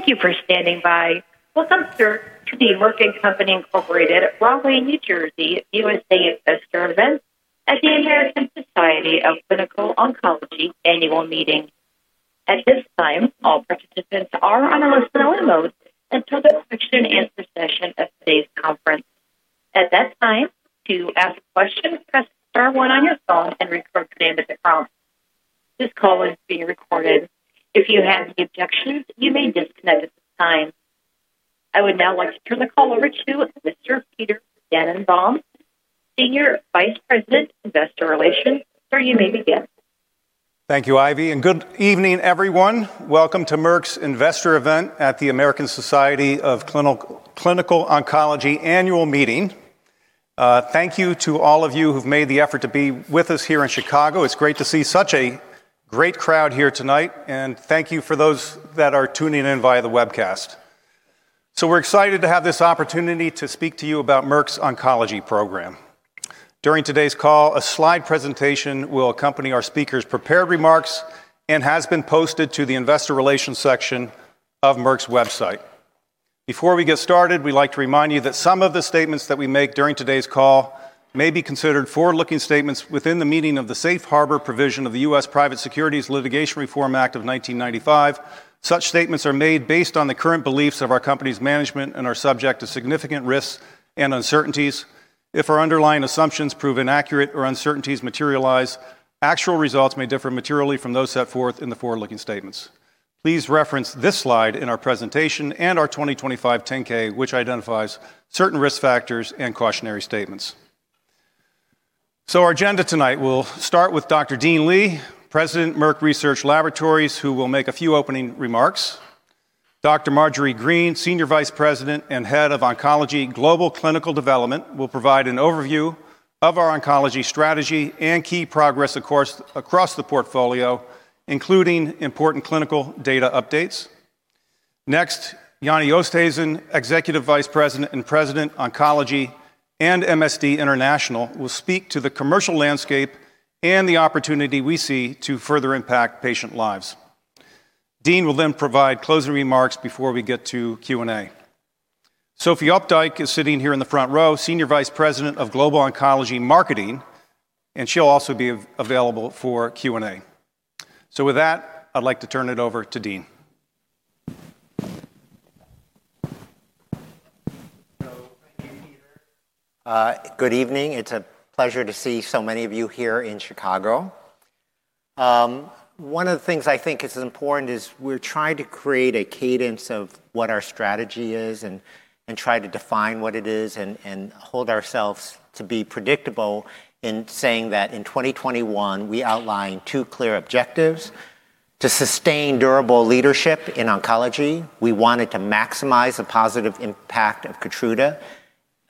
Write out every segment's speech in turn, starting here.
Thank you for standing by. Welcome, sir, to the Merck & Company Incorporated, Rahway, New Jersey, U.S.A. investor event at the American Society of Clinical Oncology Annual Meeting. I would now like to turn the call over to Mr. Peter Dannenbaum, Senior Vice President, Investor Relations. Sir, you may begin. Thank you, Ivy, and good evening, everyone. Welcome to Merck's Investor event at the American Society of Clinical Oncology Annual Meeting. Thank you to all of you who've made the effort to be with us here in Chicago. It's great to see such a great crowd here tonight, and thank you for those that are tuning in via the webcast. We're excited to have this opportunity to speak to you about Merck's oncology program. During today's call, a slide presentation will accompany our speakers' prepared remarks and has been posted to the investor relations section of Merck's website. Before we get started, we'd like to remind you that some of the statements that we make during today's call may be considered forward-looking statements within the meaning of the Safe Harbor provision of the U.S. Private Securities Litigation Reform Act of 1995. Such statements are made based on the current beliefs of our company's management and are subject to significant risks and uncertainties. If our underlying assumptions prove inaccurate or uncertainties materialize, actual results may differ materially from those set forth in the forward-looking statements. Please reference this slide in our presentation and our 2025 10-K, which identifies certain risk factors and cautionary statements. Our agenda tonight will start with Dr. Dean Li, President, Merck Research Laboratories, who will make a few opening remarks. Dr. Marjorie Green, Senior Vice President and Head of Oncology, Global Clinical Development, will provide an overview of our oncology strategy and key progress across the portfolio, including important clinical data updates. Next, Jannie Oosthuizen, Executive Vice President and President, Oncology and MSD International, will speak to the commercial landscape and the opportunity we see to further impact patient lives. Dean will then provide closing remarks before we get to Q&A. Sophie Opdyke is sitting here in the front row, Senior Vice President of Global Oncology Marketing, and she'll also be available for Q&A. With that, I'd like to turn it over to Dean. Good evening. It's a pleasure to see so many of you here in Chicago. One of the things I think is important is we're trying to create a cadence of what our strategy is and try to define what it is and hold ourselves to be predictable in saying that in 2021, we outlined two clear objectives. To sustain durable leadership in oncology, we wanted to maximize the positive impact of KEYTRUDA,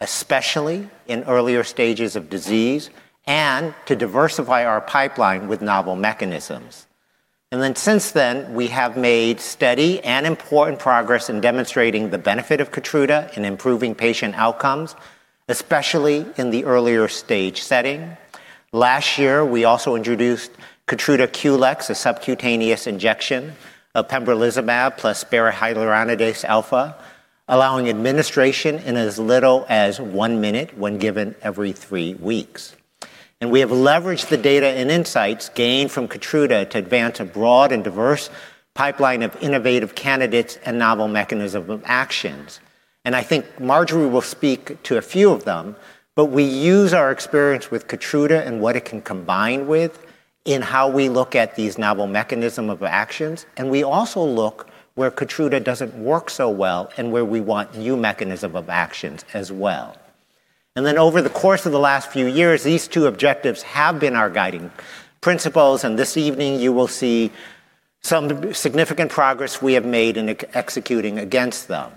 especially in earlier stages of disease, and to diversify our pipeline with novel mechanisms. Since then, we have made steady and important progress in demonstrating the benefit of KEYTRUDA in improving patient outcomes, especially in the earlier stage setting. Last year, we also introduced KEYTRUDA QLEX, a subcutaneous injection of pembrolizumab plus berahyaluronidase alfa, allowing administration in as little as one minute when given every three weeks. We have leveraged the data and insights gained from KEYTRUDA to advance a broad and diverse pipeline of innovative candidates and novel mechanism of actions. I think Marjorie will speak to a few of them, but we use our experience with KEYTRUDA and what it can combine with in how we look at these novel mechanism of actions. We also look where KEYTRUDA doesn't work so well and where we want new mechanism of actions as well. Over the course of the last few years, these two objectives have been our guiding principles, and this evening you will see some significant progress we have made in executing against them.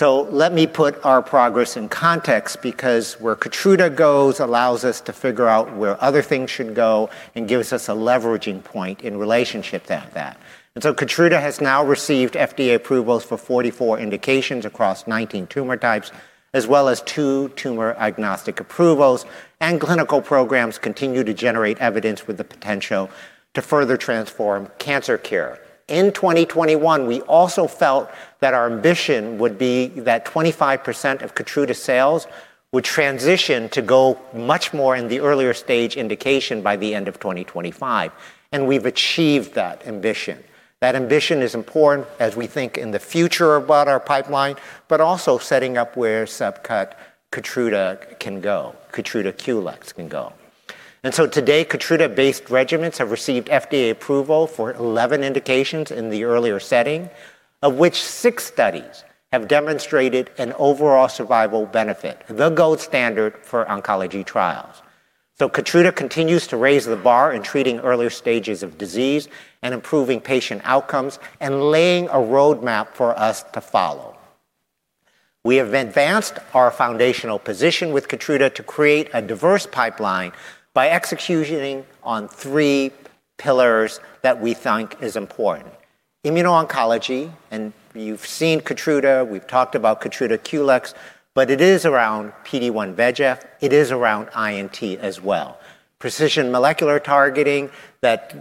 Let me put our progress in context because where KEYTRUDA goes allows us to figure out where other things should go and gives us a leveraging point in relationship to that. KEYTRUDA has now received FDA approvals for 44 indications across 19 tumor types, as well as two tumor-agnostic approvals, and clinical programs continue to generate evidence with the potential to further transform cancer care. In 2021, we also felt that our ambition would be that 25% of KEYTRUDA sales would transition to go much more in the earlier stage indication by the end of 2025, and we've achieved that ambition. That ambition is important as we think in the future about our pipeline, but also setting up where subcut KEYTRUDA can go, KEYTRUDA QLEX can go. Today, KEYTRUDA-based regimens have received FDA approval for 11 indications in the earlier setting, of which six studies have demonstrated an overall survival benefit, the gold standard for oncology trials. KEYTRUDA continues to raise the bar in treating earlier stages of disease and improving patient outcomes and laying a roadmap for us to follow. We have advanced our foundational position with KEYTRUDA to create a diverse pipeline by executing on three pillars that we think is important. Immuno-oncology, and you've seen KEYTRUDA, we've talked about KEYTRUDA QLEX, but it is around PD-1/VEGF. It is around INT as well. Precision molecular targeting that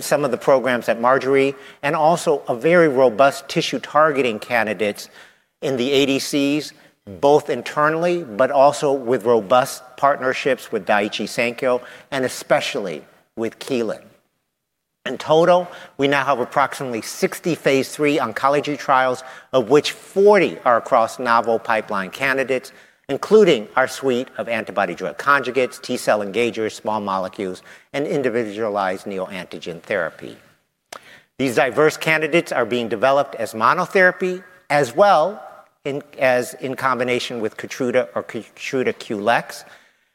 some of the programs at Marjorie, and also a very robust tissue targeting candidates in the ADCs, both internally, but also with robust partnerships with Daiichi Sankyo and especially with Kelun. In total, we now have approximately 60 phase III oncology trials, of which 40 are across novel pipeline candidates, including our suite of antibody-drug conjugates, T-cell engagers, small molecules, and individualized neoantigen therapy. These diverse candidates are being developed as monotherapy as well as in combination with KEYTRUDA or KEYTRUDA QLEX.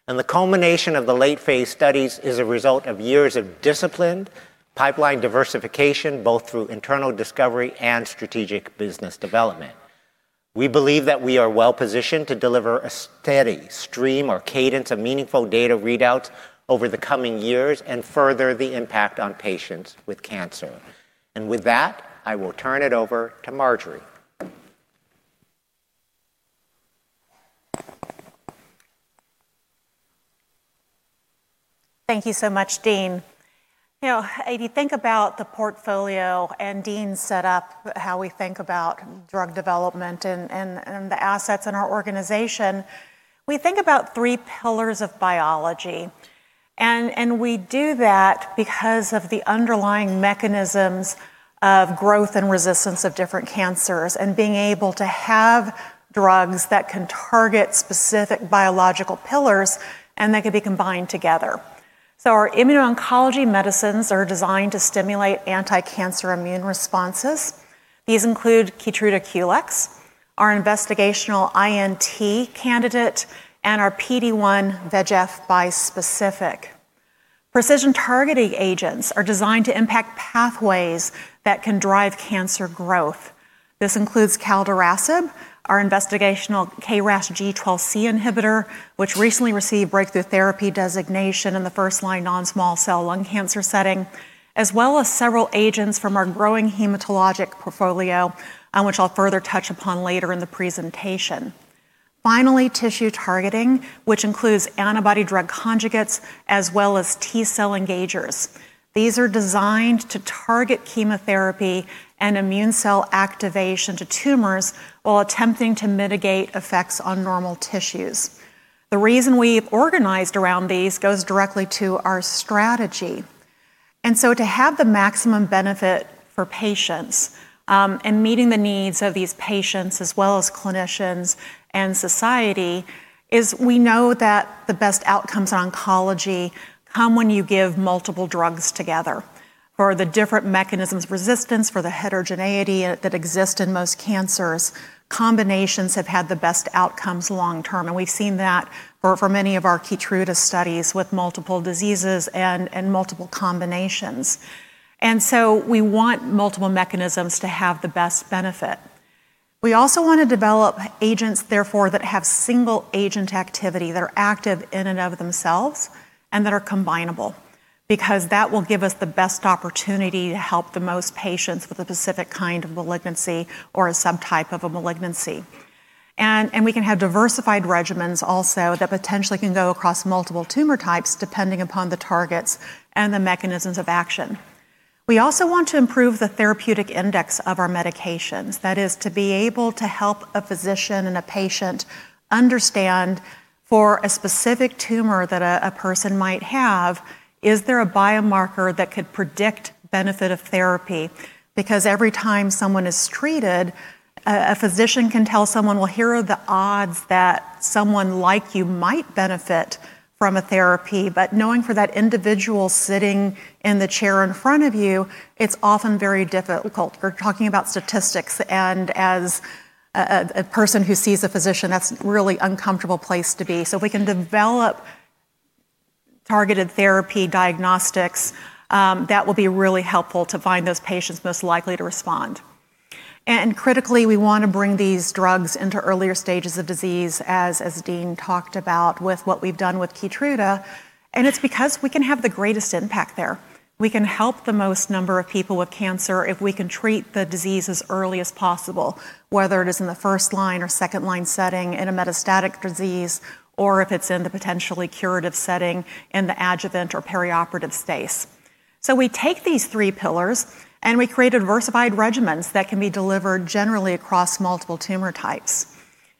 The culmination of the late-phase studies is a result of years of disciplined pipeline diversification, both through internal discovery and strategic business development. We believe that we are well-positioned to deliver a steady stream or cadence of meaningful data readouts over the coming years and further the impact on patients with cancer. With that, I will turn it over to Marjorie. Thank you so much, Dean. If you think about the portfolio and Dean set up how we think about drug development and the assets in our organization, we think about three pillars of biology. We do that because of the underlying mechanisms of growth and resistance of different cancers and being able to have drugs that can target specific biological pillars and that can be combined together. Our immuno-oncology medicines are designed to stimulate anti-cancer immune responses. These include KEYTRUDA QLEX, our investigational IO candidate, and our PD-1/VEGF bispecific. Precision-targeting agents are designed to impact pathways that can drive cancer growth. This includes calderasib, our investigational KRAS G12C inhibitor, which recently received breakthrough therapy designation in the first-line non-small cell lung cancer setting, as well as several agents from our growing hematologic portfolio, which I'll further touch upon later in the presentation. Finally, tissue targeting, which includes antibody drug conjugates, as well as T-cell engagers. These are designed to target chemotherapy and immune cell activation to tumors while attempting to mitigate effects on normal tissues. The reason we've organized around these goes directly to our strategy. To have the maximum benefit for patients, and meeting the needs of these patients as well as clinicians and society, is we know that the best outcomes in oncology come when you give multiple drugs together for the different mechanisms of resistance, for the heterogeneity that exist in most cancers. Combinations have had the best outcomes long term, and we've seen that for many of our KEYTRUDA studies with multiple diseases and multiple combinations. We want multiple mechanisms to have the best benefit. We also want to develop agents, therefore, that have single agent activity, that are active in and of themselves and that are combinable, because that will give us the best opportunity to help the most patients with a specific kind of malignancy or a subtype of a malignancy. We can have diversified regimens also that potentially can go across multiple tumor types depending upon the targets and the mechanisms of action. We also want to improve the therapeutic index of our medications. That is, to be able to help a physician and a patient understand for a specific tumor that a person might have, is there a biomarker that could predict benefit of therapy? Every time someone is treated, a physician can tell someone, "Well, here are the odds that someone like you might benefit from a therapy." Knowing for that individual sitting in the chair in front of you, it's often very difficult. We're talking about statistics and as a person who sees a physician, that's really uncomfortable place to be. If we can develop targeted therapy diagnostics, that will be really helpful to find those patients most likely to respond. Critically, we want to bring these drugs into earlier stages of disease, as Dean talked about with what we've done with KEYTRUDA, and it's because we can have the greatest impact there. We can help the most number of people with cancer if we can treat the disease as early as possible, whether it is in the first-line or second-line setting in a metastatic disease, or if it's in the potentially curative setting in the adjuvant or perioperative space. We take these three pillars and we create diversified regimens that can be delivered generally across multiple tumor types.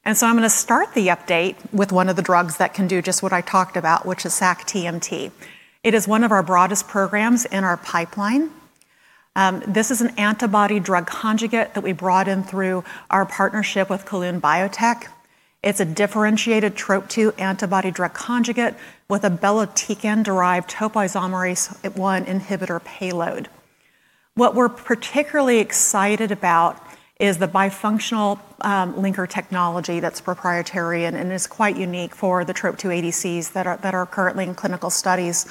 I'm going to start the update with one of the drugs that can do just what I talked about, which is sac-TMT. It is one of our broadest programs in our pipeline. This is an antibody drug conjugate that we brought in through our partnership with Kelun-Biotech. It's a differentiated Trop-2 antibody drug conjugate with a belotecan-derived topoisomerase I inhibitor payload. What we're particularly excited about is the bifunctional linker technology that's proprietary and is quite unique for the Trop-2 ADCs that are currently in clinical studies.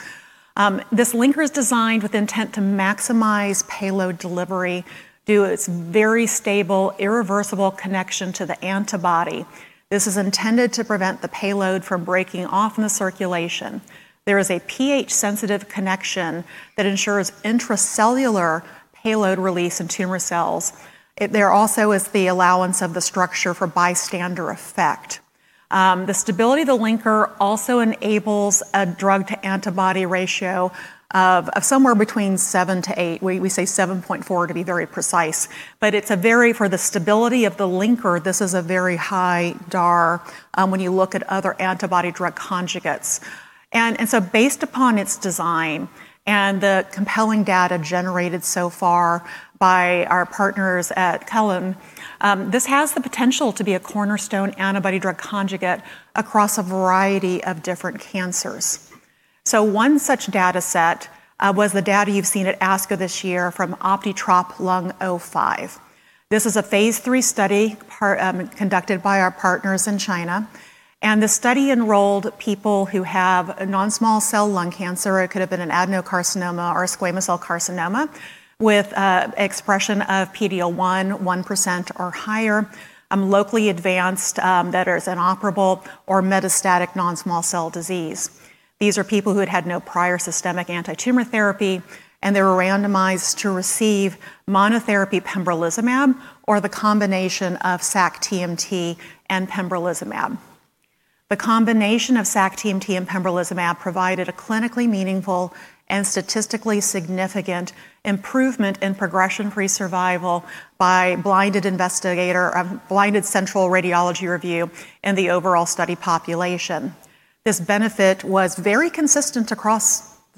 This linker is designed with intent to maximize payload delivery through its very stable, irreversible connection to the antibody. This is intended to prevent the payload from breaking off in the circulation. There is a pH-sensitive connection that ensures intracellular payload release in tumor cells. There also is the allowance of the structure for bystander effect. The stability of the linker also enables a drug-to-antibody ratio of somewhere between seven to eight. We say 7.4 to be very precise. For the stability of the linker, this is a very high DAR when you look at other antibody-drug conjugates. Based upon its design and the compelling data generated so far by our partners at Kelun, this has the potential to be a cornerstone antibody drug conjugate across a variety of different cancers. One such data set was the data you've seen at ASCO this year from OptiTROP-Lung05. This is a phase III study conducted by our partners in China, and the study enrolled people who have non-small cell lung cancer. It could have been an adenocarcinoma or squamous cell carcinoma with expression of PD-L1, 1% or higher, locally advanced that is inoperable or metastatic non-small cell disease. These are people who had had no prior systemic antitumor therapy, and they were randomized to receive monotherapy pembrolizumab or the combination of sac-TMT and pembrolizumab. The combination of sac-TMT and pembrolizumab provided a clinically meaningful and statistically significant improvement in progression-free survival by blinded central radiology review in the overall study population. This benefit was very consistent across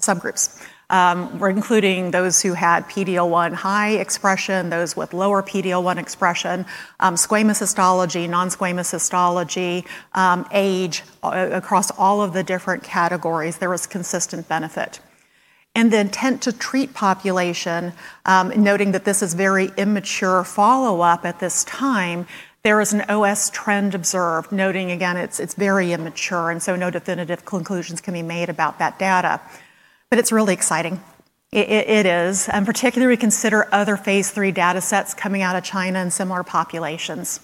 subgroups, including those who had PD-L1 high expression, those with lower PD-L1 expression, squamous histology, non-squamous histology, age. Across all of the different categories, there was consistent benefit. In the intent-to-treat population, noting that this is very immature follow-up at this time, there is an OS trend observed, noting, again, it's very immature. No definitive conclusions can be made about that data. It's really exciting. It is. Particularly, we consider other phase III data sets coming out of China and similar populations.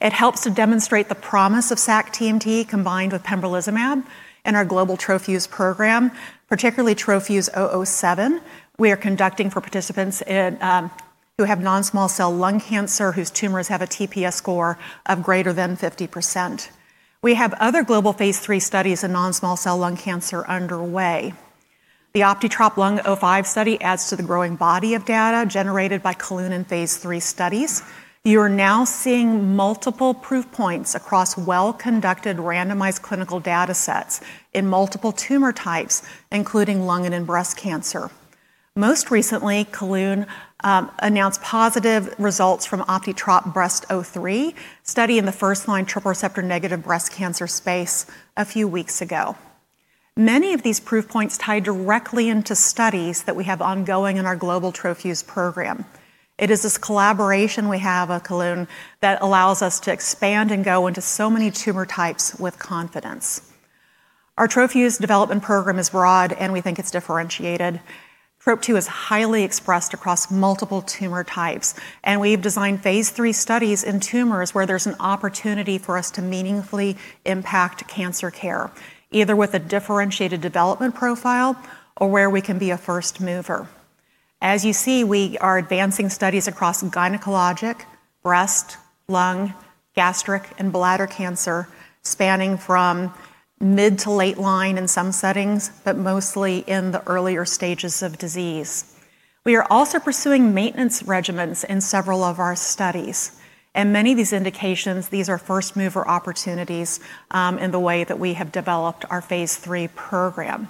It helps to demonstrate the promise of sac-TMT combined with pembrolizumab in our global TroFuse program, particularly TroFuse-007 we are conducting for participants who have non-small cell lung cancer whose tumors have a TPS score of greater than 50%. We have other global phase III studies in non-small cell lung cancer underway. The OptiTROP-Lung05 study adds to the growing body of data generated by Kelun in phase III studies. You're now seeing multiple proof points across well-conducted randomized clinical data sets in multiple tumor types, including lung and in breast cancer. Most recently, Kelun announced positive results from OptiTROP-Breast03 study in the first-line triple receptor-negative breast cancer space a few weeks ago. Many of these proof points tie directly into studies that we have ongoing in our global TroFuse program. It is this collaboration we have at Kelun that allows us to expand and go into so many tumor types with confidence. Our TroFuse development program is broad, and we think it's differentiated. Trop-2 is highly expressed across multiple tumor types, and we've designed phase III studies in tumors where there's an opportunity for us to meaningfully impact cancer care, either with a differentiated development profile or where we can be a first mover. As you see, we are advancing studies across gynecologic, breast, lung, gastric, and bladder cancer, spanning from mid to late line in some settings, but mostly in the earlier stages of disease. We are also pursuing maintenance regimens in several of our studies, and many of these indications, these are first-mover opportunities in the way that we have developed our phase III program.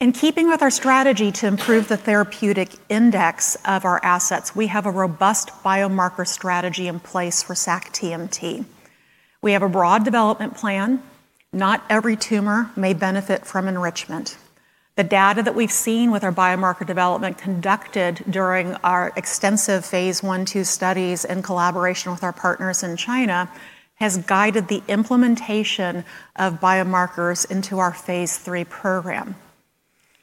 In keeping with our strategy to improve the therapeutic index of our assets, we have a robust biomarker strategy in place for sac-TMT. We have a broad development plan. Not every tumor may benefit from enrichment. The data that we've seen with our biomarker development conducted during our extensive phase I/II studies in collaboration with our partners in China has guided the implementation of biomarkers into our phase III program.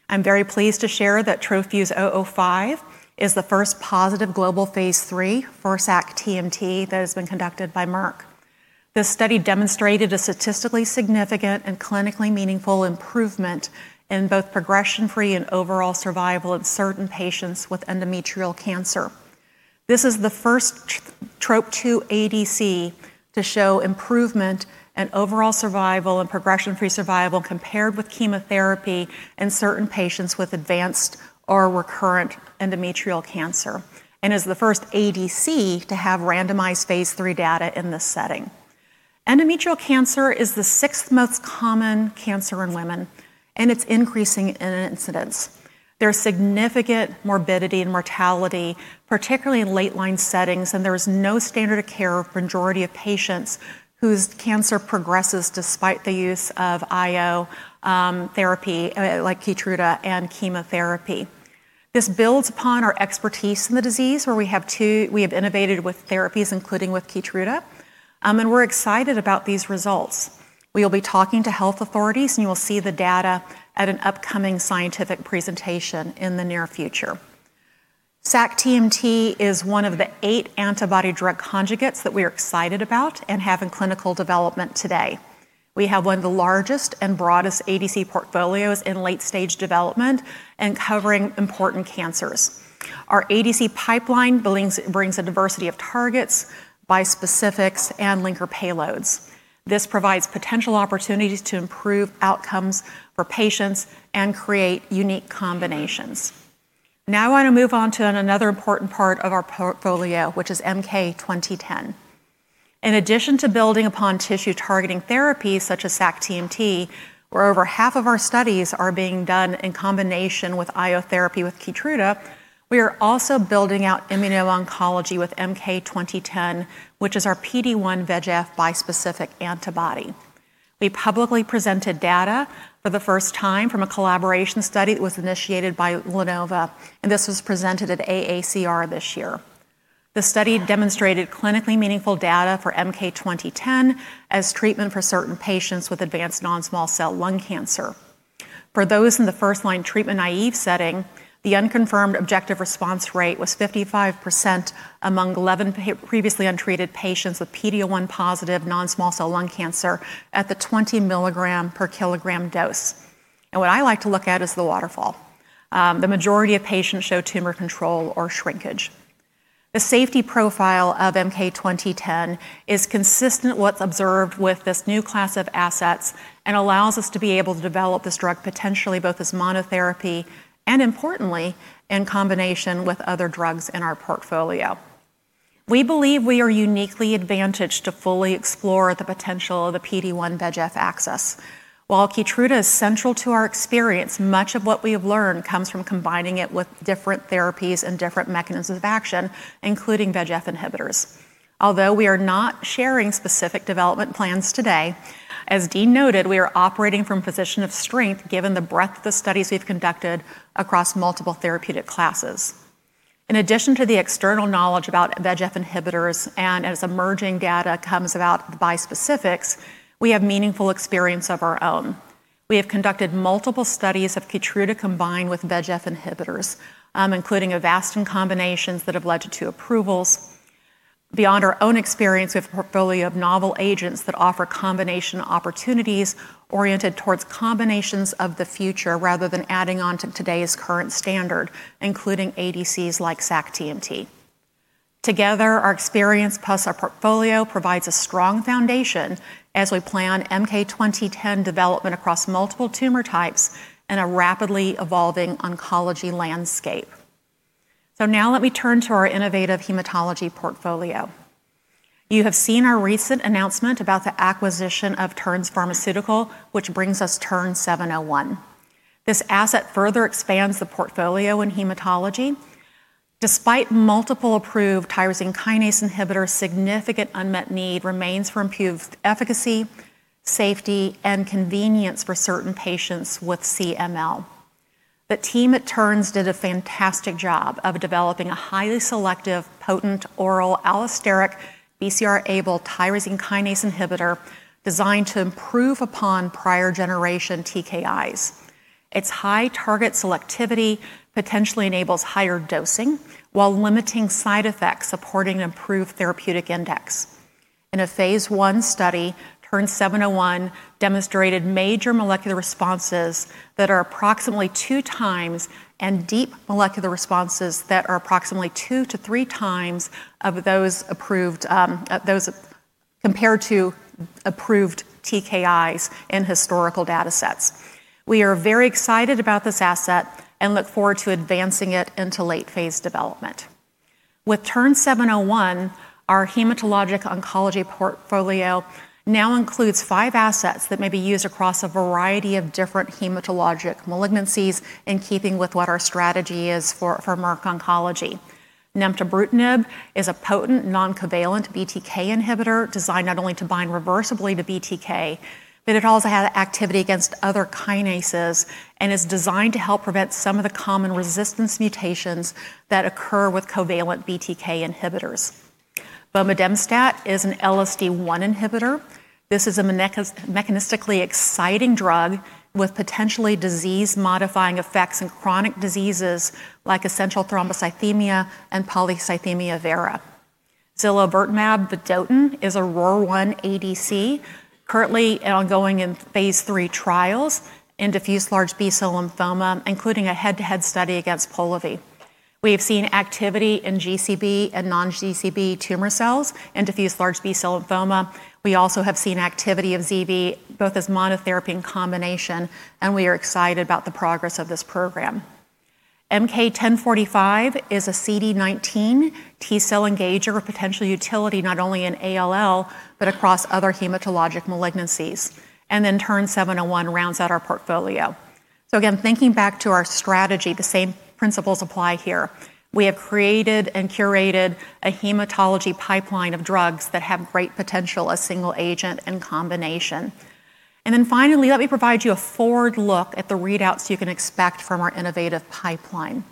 I'm very pleased to share that TroFuse-005 is the first positive global phase III for sac-TMT that has been conducted by Merck. This study demonstrated a statistically significant and clinically meaningful improvement in both progression-free and overall survival in certain patients with endometrial cancer. This is the first Trop-2 ADC to show improvement in overall survival and progression-free survival compared with chemotherapy in certain patients with advanced or recurrent endometrial cancer and is the first ADC to have randomized phase III data in this setting. Endometrial cancer is the sixth most common cancer in women. It's increasing in incidence. There's significant morbidity and mortality, particularly in late line settings. There is no standard of care for a majority of patients whose cancer progresses despite the use of IO therapy like KEYTRUDA and chemotherapy. This builds upon our expertise in the disease, where we have innovated with therapies, including with KEYTRUDA. We're excited about these results. We will be talking to health authorities. You will see the data at an upcoming scientific presentation in the near future. sac-TMT is one of the eight antibody drug conjugates that we are excited about and have in clinical development today. We have one of the largest and broadest ADC portfolios in late-stage development and covering important cancers. Our ADC pipeline brings a diversity of targets by specifics and linker payloads. This provides potential opportunities to improve outcomes for patients and create unique combinations. I want to move on to another important part of our portfolio, which is MK-2010. In addition to building upon tissue-targeting therapies such as sac-TMT, where over half of our studies are being done in combination with IO therapy with KEYTRUDA, we are also building out immuno-oncology with MK-2010, which is our PD-1 VEGF bispecific antibody. We publicly presented data for the first time from a collaboration study that was initiated by LaNova, this was presented at AACR this year. The study demonstrated clinically meaningful data for MK-2010 as treatment for certain patients with advanced non-small cell lung cancer. For those in the first-line treatment-naïve setting, the unconfirmed objective response rate was 55% among 11 previously untreated patients with PD-L1 positive non-small cell lung cancer at the 20 mg/kg dose. What I like to look at is the waterfall. The majority of patients show tumor control or shrinkage. The safety profile of MK-2010 is consistent with what's observed with this new class of assets and allows us to be able to develop this drug potentially both as monotherapy and, importantly, in combination with other drugs in our portfolio. We believe we are uniquely advantaged to fully explore the potential of the PD-1 VEGF axis. While KEYTRUDA is central to our experience, much of what we have learned comes from combining it with different therapies and different mechanisms of action, including VEGF inhibitors. Although we are not sharing specific development plans today, as Dean noted, we are operating from a position of strength given the breadth of studies we've conducted across multiple therapeutic classes. In addition to the external knowledge about VEGF inhibitors and as emerging data comes about bispecifics, we have meaningful experience of our own. We have conducted multiple studies of KEYTRUDA combined with VEGF inhibitors, including Avastin combinations that have led to two approvals. Beyond our own experience, we have a portfolio of novel agents that offer combination opportunities oriented towards combinations of the future rather than adding on to today's current standard, including ADCs like sac-TMT. Together, our experience plus our portfolio provides a strong foundation as we plan MK-2010 development across multiple tumor types in a rapidly evolving oncology landscape. Now let me turn to our innovative hematology portfolio. You have seen our recent announcement about the acquisition of Terns Pharmaceuticals, which brings us TERN-701. This asset further expands the portfolio in hematology. Despite multiple approved tyrosine kinase inhibitors, significant unmet need remains for improved efficacy, safety, and convenience for certain patients with CML. The team at Terns did a fantastic job of developing a highly selective, potent oral allosteric BCR-ABL tyrosine kinase inhibitor designed to improve upon prior-generation TKIs. Its high target selectivity potentially enables higher dosing while limiting side effects, supporting improved therapeutic index. In a phase I study, TERN-701 demonstrated major molecular responses that are approximately 2x and deep molecular responses that are approximately 2x-3x of those compared to approved TKIs in historical datasets. We are very excited about this asset and look forward to advancing it into late-phase development. With TERN-701, our hematologic oncology portfolio now includes five assets that may be used across a variety of different hematologic malignancies in keeping with what our strategy is for Merck Oncology. nemtabrutinib is a potent non-covalent BTK inhibitor designed not only to bind reversibly to BTK, it also has activity against other kinases and is designed to help prevent some of the common resistance mutations that occur with covalent BTK inhibitors. bomedemstat is an LSD1 inhibitor. This is a mechanistically exciting drug with potentially disease-modifying effects in chronic diseases like essential thrombocythemia and polycythemia vera. Zilovertamab vedotin is a ROR1 ADC currently ongoing in phase III trials in diffuse large B-cell lymphoma, including a head-to-head study against POLIVY. We have seen activity in GCB and non-GCB tumor cells and diffuse large B-cell lymphoma. We also have seen activity of ZV both as monotherapy and combination, we are excited about the progress of this program. MK-1045 is a CD19 T-cell engager with potential utility not only in ALL but across other hematologic malignancies. TERN-701 rounds out our portfolio. Again, thinking back to our strategy, the same principles apply here. We have created and curated a hematology pipeline of drugs that have great potential as single agent and combination. Finally, let me provide you a forward look at the readouts you can expect from our innovative pipeline.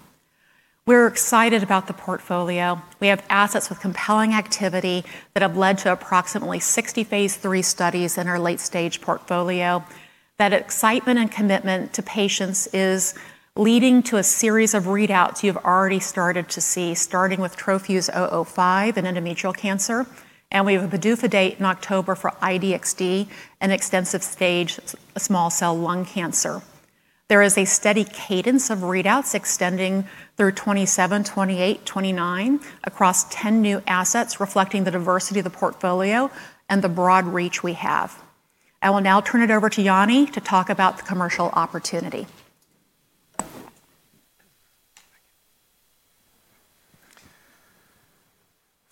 We're excited about the portfolio. We have assets with compelling activity that have led to approximately 60 phase III studies in our late-stage portfolio. That excitement and commitment to patients is leading to a series of readouts you've already started to see, starting with TroFuse-005 in endometrial cancer. We have a PDUFA date in October for iDXd in extensive stage small cell lung cancer. There is a steady cadence of readouts extending through 2027, 2028, 2029 across 10 new assets reflecting the diversity of the portfolio and the broad reach we have. I will now turn it over to Jannie to talk about the commercial opportunity.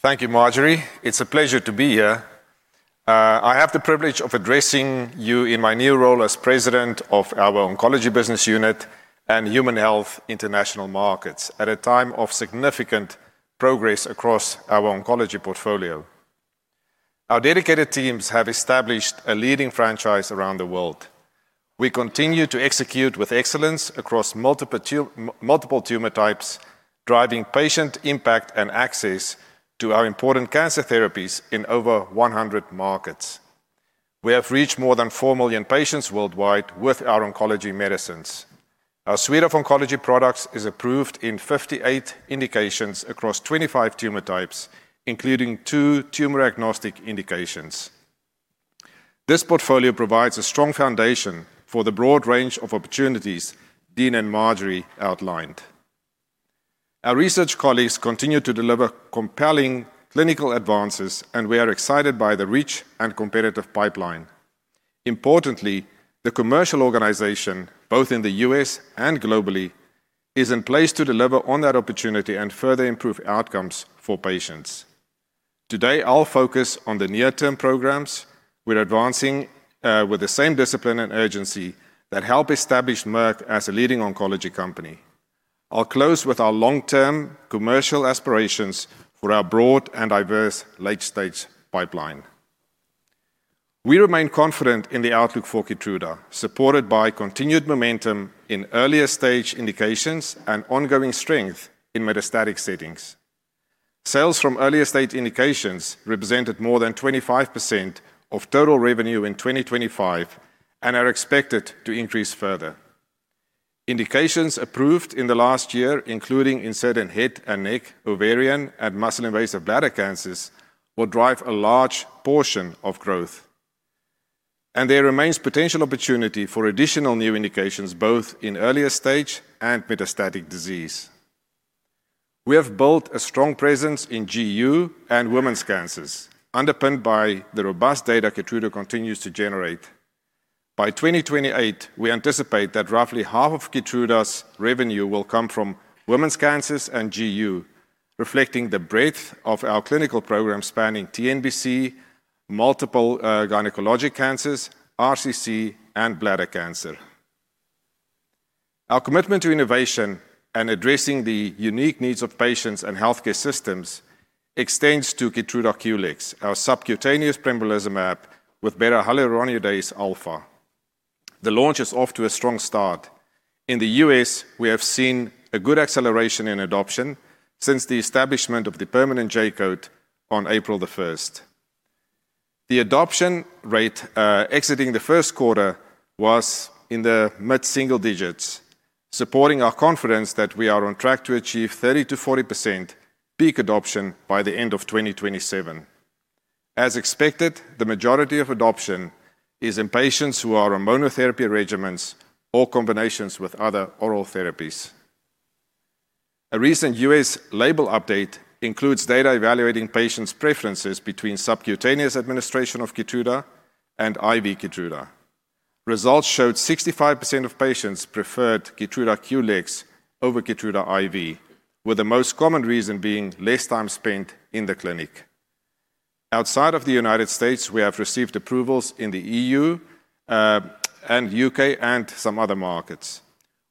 Thank you, Marjorie. It's a pleasure to be here. I have the privilege of addressing you in my new role as President of our Oncology Business Unit and Human Health International Markets at a time of significant progress across our oncology portfolio. Our dedicated teams have established a leading franchise around the world. We continue to execute with excellence across multiple tumor types, driving patient impact and access to our important cancer therapies in over 100 markets. We have reached more than 4 million patients worldwide with our oncology medicines. Our suite of oncology products is approved in 58 indications across 25 tumor types, including two tumor-agnostic indications. This portfolio provides a strong foundation for the broad range of opportunities Dean and Marjorie outlined. Our research colleagues continue to deliver compelling clinical advances. We are excited by the reach and competitive pipeline. Importantly, the commercial organization, both in the U.S. and globally, is in place to deliver on that opportunity and further improve outcomes for patients. Today, I'll focus on the near-term programs we're advancing with the same discipline and urgency that help establish Merck as a leading oncology company. I'll close with our long-term commercial aspirations for our broad and diverse late-stage pipeline. We remain confident in the outlook for KEYTRUDA, supported by continued momentum in earlier-stage indications and ongoing strength in metastatic settings. Sales from earlier-stage indications represented more than 25% of total revenue in 2025 and are expected to increase further. Indications approved in the last year, including in certain head and neck, ovarian, and muscle-invasive bladder cancers, will drive a large portion of growth. There remains potential opportunity for additional new indications, both in earlier-stage and metastatic disease. We have built a strong presence in GU and women's cancers, underpinned by the robust data KEYTRUDA continues to generate. By 2028, we anticipate that roughly half of KEYTRUDA's revenue will come from women's cancers and GU, reflecting the breadth of our clinical program spanning TNBC, multiple gynecologic cancers, RCC, and bladder cancer. Our commitment to innovation and addressing the unique needs of patients and healthcare systems extends to KEYTRUDA QLEX, our subcutaneous pembrolizumab with berahyaluronidase alfa. The launch is off to a strong start. In the U.S., we have seen a good acceleration in adoption since the establishment of the permanent J-code on April the 1st. The adoption rate exiting the first quarter was in the mid-single digits, supporting our confidence that we are on track to achieve 30%-40% peak adoption by the end of 2027. As expected, the majority of adoption is in patients who are on monotherapy regimens or combinations with other oral therapies. A recent U.S. label update includes data evaluating patients' preferences between subcutaneous administration of KEYTRUDA and IV KEYTRUDA. Results showed 65% of patients preferred KEYTRUDA QLEX over KEYTRUDA IV, with the most common reason being less time spent in the clinic. Outside of the United States, we have received approvals in the EU, and U.K., and some other markets.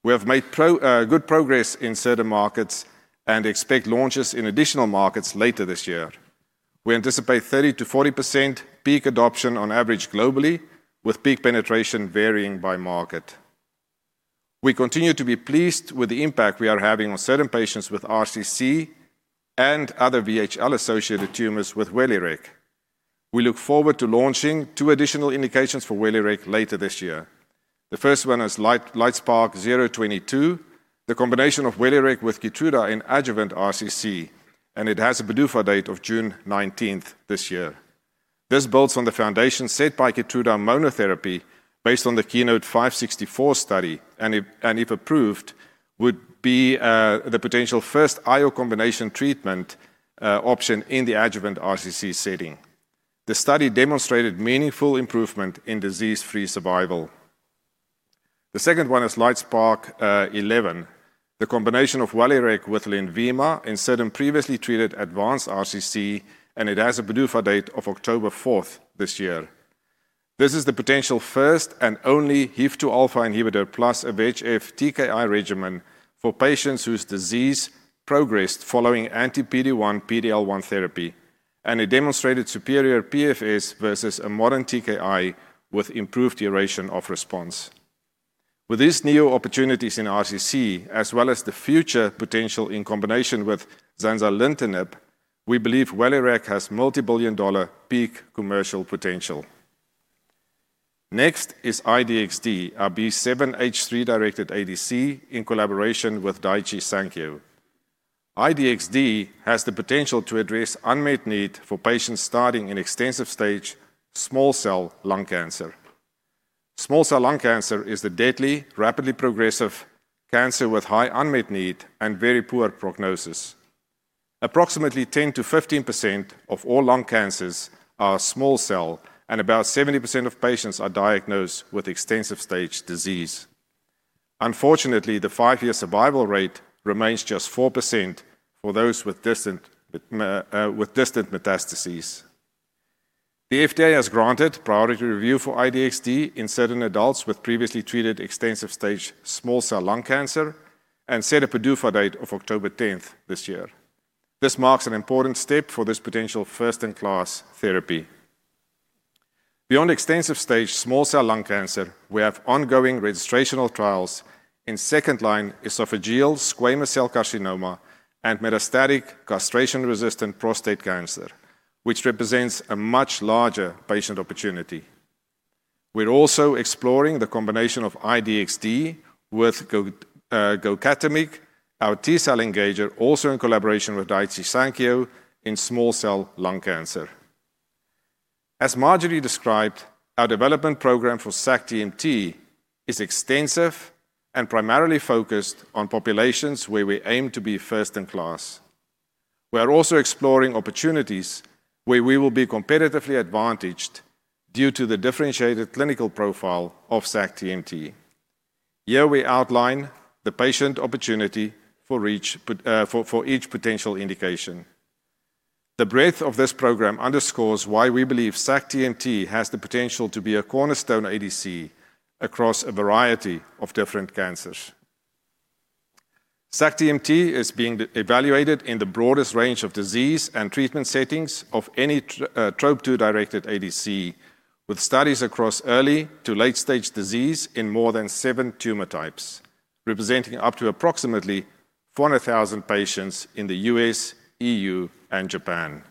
We have made good progress in certain markets and expect launches in additional markets later this year. We anticipate 30%-40% peak adoption on average globally, with peak penetration varying by market. We continue to be pleased with the impact we are having on certain patients with RCC and other VHL-associated tumors with WELIREG. We look forward to launching two additional indications for WELIREG later this year. The first one is LITESPARK-022, the combination of WELIREG with KEYTRUDA in adjuvant RCC. It has a PDUFA date of June 19th this year. This builds on the foundation set by KEYTRUDA monotherapy based on the KEYNOTE-564 study. If approved, would be the potential first I/O combination treatment option in the adjuvant RCC setting. The study demonstrated meaningful improvement in disease-free survival. The second one is LITESPARK-011, the combination of WELIREG with LENVIMA in certain previously treated advanced RCC. It has a PDUFA date of October 4th this year. This is the potential first and only HIF-2alpha inhibitor plus a VEGF TKI regimen for patients whose disease progressed following anti-PD-1, PD-L1 therapy. It demonstrated superior PFS versus a modern TKI with improved duration of response. With these new opportunities in RCC, as well as the future potential in combination with zanzalintinib, we believe WELIREG has multi-billion dollar peak commercial potential. Next is ifinatamab deruxtecan, our B7H3-directed ADC in collaboration with Daiichi Sankyo. ifinatamab deruxtecan has the potential to address unmet need for patients starting in extensive stage small cell lung cancer. Small cell lung cancer is the deadly, rapidly progressive cancer with high unmet need and very poor prognosis. Approximately 10%-15% of all lung cancers are small cell, and about 70% of patients are diagnosed with extensive stage disease. Unfortunately, the five-year survival rate remains just 4% for those with distant metastases. The FDA has granted priority review for ifinatamab deruxtecan in certain adults with previously treated extensive stage small cell lung cancer and set a PDUFA date of October 10th this year. This marks an important step for this potential first-in-class therapy. Beyond extensive stage small cell lung cancer, we have ongoing registrational trials in second-line esophageal squamous cell carcinoma and metastatic castration-resistant prostate cancer, which represents a much larger patient opportunity. We're also exploring the combination of iDXd with Gocatamig, our T-cell engager, also in collaboration with Daiichi Sankyo in small cell lung cancer. As Marjorie described, our development program for sac-TMT is extensive and primarily focused on populations where we aim to be first in class. We are also exploring opportunities where we will be competitively advantaged due to the differentiated clinical profile of sac-TMT. Here we outline the patient opportunity for each potential indication. The breadth of this program underscores why we believe sac-TMT has the potential to be a cornerstone ADC across a variety of different cancers. Sac-TMT is being evaluated in the broadest range of disease and treatment settings of any Trop-2-directed ADC, with studies across early to late-stage disease in more than seven tumor types, representing up to approximately 400,000 patients in the U.S., EU, and Japan.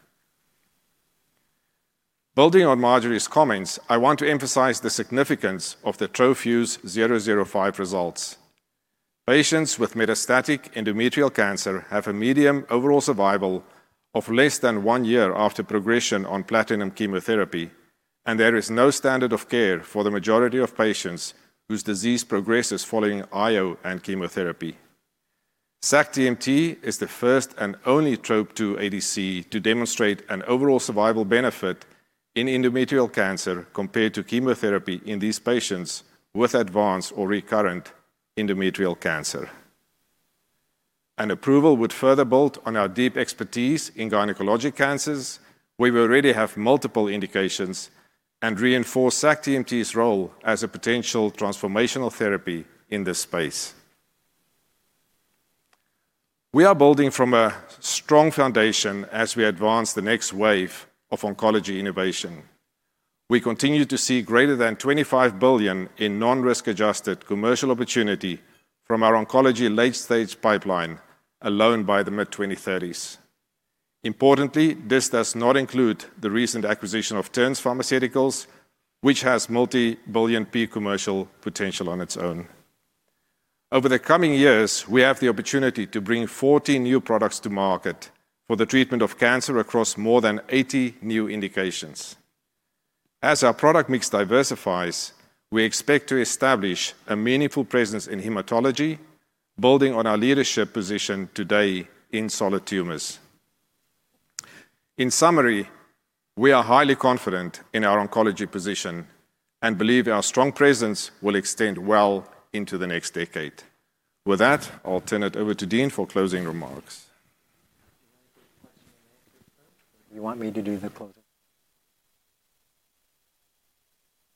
Building on Marjorie's comments, I want to emphasize the significance of the TroFuse-005 results. Patients with metastatic endometrial cancer have a median overall survival of less than one year after progression on platinum chemotherapy, and there is no standard of care for the majority of patients whose disease progresses following IO and chemotherapy. sac-TMT is the first and only Trop-2 ADC to demonstrate an overall survival benefit in endometrial cancer compared to chemotherapy in these patients with advanced or recurrent endometrial cancer. An approval would further build on our deep expertise in gynecologic cancers, where we already have multiple indications, and reinforce sac-TMT's role as a potential transformational therapy in this space. We are building from a strong foundation as we advance the next wave of oncology innovation. We continue to see greater than $25 billion in non-risk adjusted commercial opportunity from our oncology late-stage pipeline alone by the mid-2030s. Importantly, this does not include the recent acquisition of Terns Pharmaceuticals, which has multi-billion peak commercial potential on its own. Over the coming years, we have the opportunity to bring 40 new products to market for the treatment of cancer across more than 80 new indications. As our product mix diversifies, we expect to establish a meaningful presence in hematology, building on our leadership position today in solid tumors. In summary, we are highly confident in our oncology position and believe our strong presence will extend well into the next decade. With that, I'll turn it over to Dean for closing remarks. You want me to do the closing?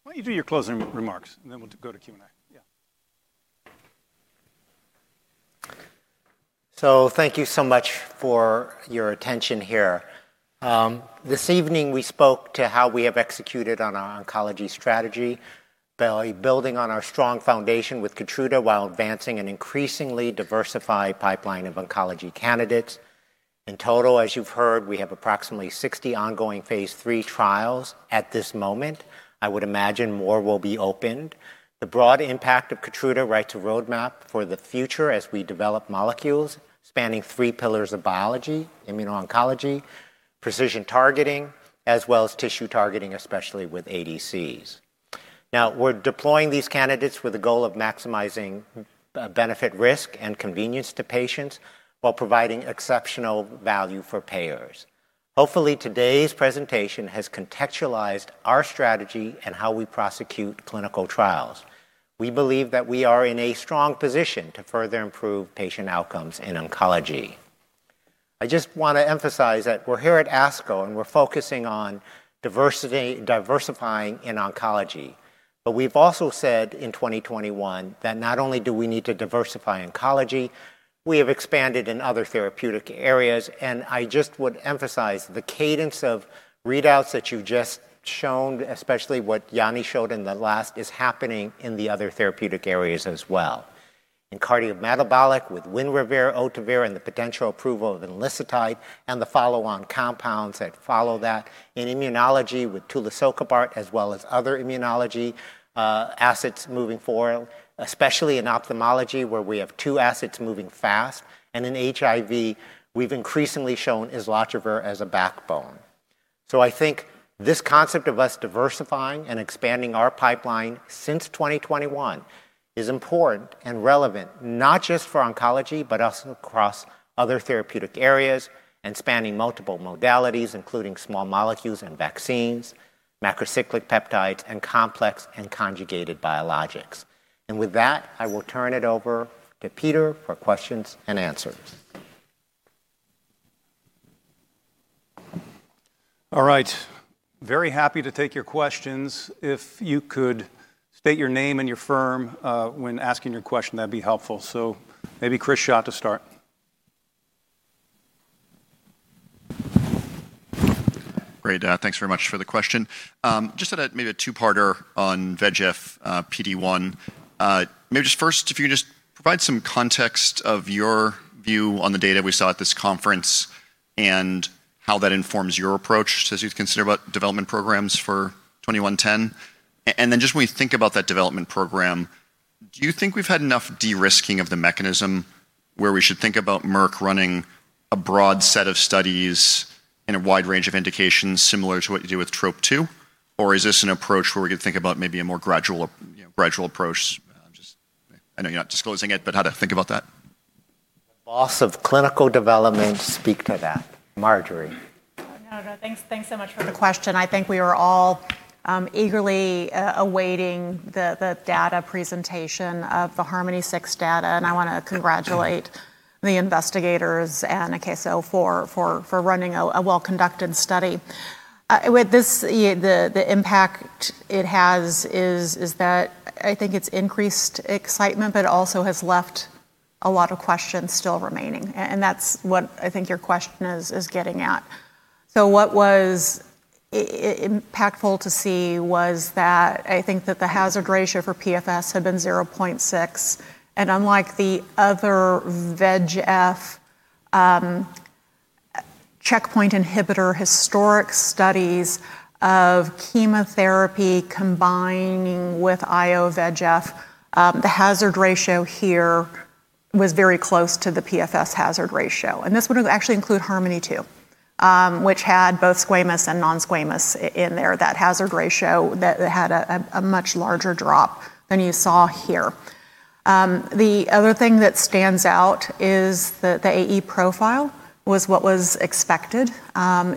Why don't you do your closing remarks, and then we'll go to Q&A? Yeah. Thank you so much for your attention here. This evening, we spoke to how we have executed on our oncology strategy by building on our strong foundation with KEYTRUDA while advancing an increasingly diversified pipeline of oncology candidates. In total, as you've heard, we have approximately 60 ongoing phase III trials at this moment. I would imagine more will be opened. The broad impact of KEYTRUDA writes a roadmap for the future as we develop molecules spanning three pillars of biology, immuno-oncology, precision targeting, as well as tissue targeting, especially with ADCs. We're deploying these candidates with the goal of maximizing benefit risk and convenience to patients while providing exceptional value for payers. Hopefully, today's presentation has contextualized our strategy and how we prosecute clinical trials. We believe that we are in a strong position to further improve patient outcomes in oncology. I just want to emphasize that we're here at ASCO, and we're focusing on diversifying in oncology. We've also said in 2021 that not only do we need to diversify oncology, we have expanded in other therapeutic areas. I just would emphasize the cadence of readouts that you've just shown, especially what Jannie showed in the last, is happening in the other therapeutic areas as well. In cardiometabolic with WINREVAIR, otevirumab, and the potential approval of enlicitide and the follow-on compounds that follow that. In immunology with tulisokibart, as well as other immunology assets moving forward, especially in ophthalmology, where we have two assets moving fast. In HIV, we've increasingly shown islatravir as a backbone. I think this concept of us diversifying and expanding our pipeline since 2021 is important and relevant, not just for oncology, but also across other therapeutic areas and spanning multiple modalities, including small molecules and vaccines, macrocyclic peptides, and complex and conjugated biologics. And with that, I will turn it over to Peter for questions-and-answers. All right. Very happy to take your questions. If you could state your name and your firm when asking your question, that'd be helpful. Maybe Chris Schott to start. Great. Thanks very much for the question. Just maybe a two-parter on VEGF PD-1. Maybe just first, if you could just provide some context of your view on the data we saw at this conference and how that informs your approach as you consider development programs for 2110. And then just when you think about that development program, do you think we've had enough de-risking of the mechanism where we should think about Merck running a broad set of studies in a wide range of indications similar to what you do with Trop-2? Or is this an approach where we could think about maybe a more gradual approach? I know you're not disclosing it, but how to think about that. Boss of clinical development, speak to that. Marjorie. Thanks so much for the question. I think we are all eagerly awaiting the data presentation of HARMONi-6 data. I want to congratulate the investigators and Akeso for running a well-conducted study. With this, the impact it has is that I think it's increased excitement, also has left a lot of questions still remaining. That's what I think your question is getting at. What was impactful to see was that I think that the hazard ratio for PFS had been 0.6. Unlike the other VEGF checkpoint inhibitor historic studies of chemotherapy combining with IO VEGF, the hazard ratio here was very close to the PFS hazard ratio. This would actually include HARMONi-2, which had both squamous and non-squamous in there. That hazard ratio had a much larger drop than you saw here. The other thing that stands out is that the AE profile was what was expected.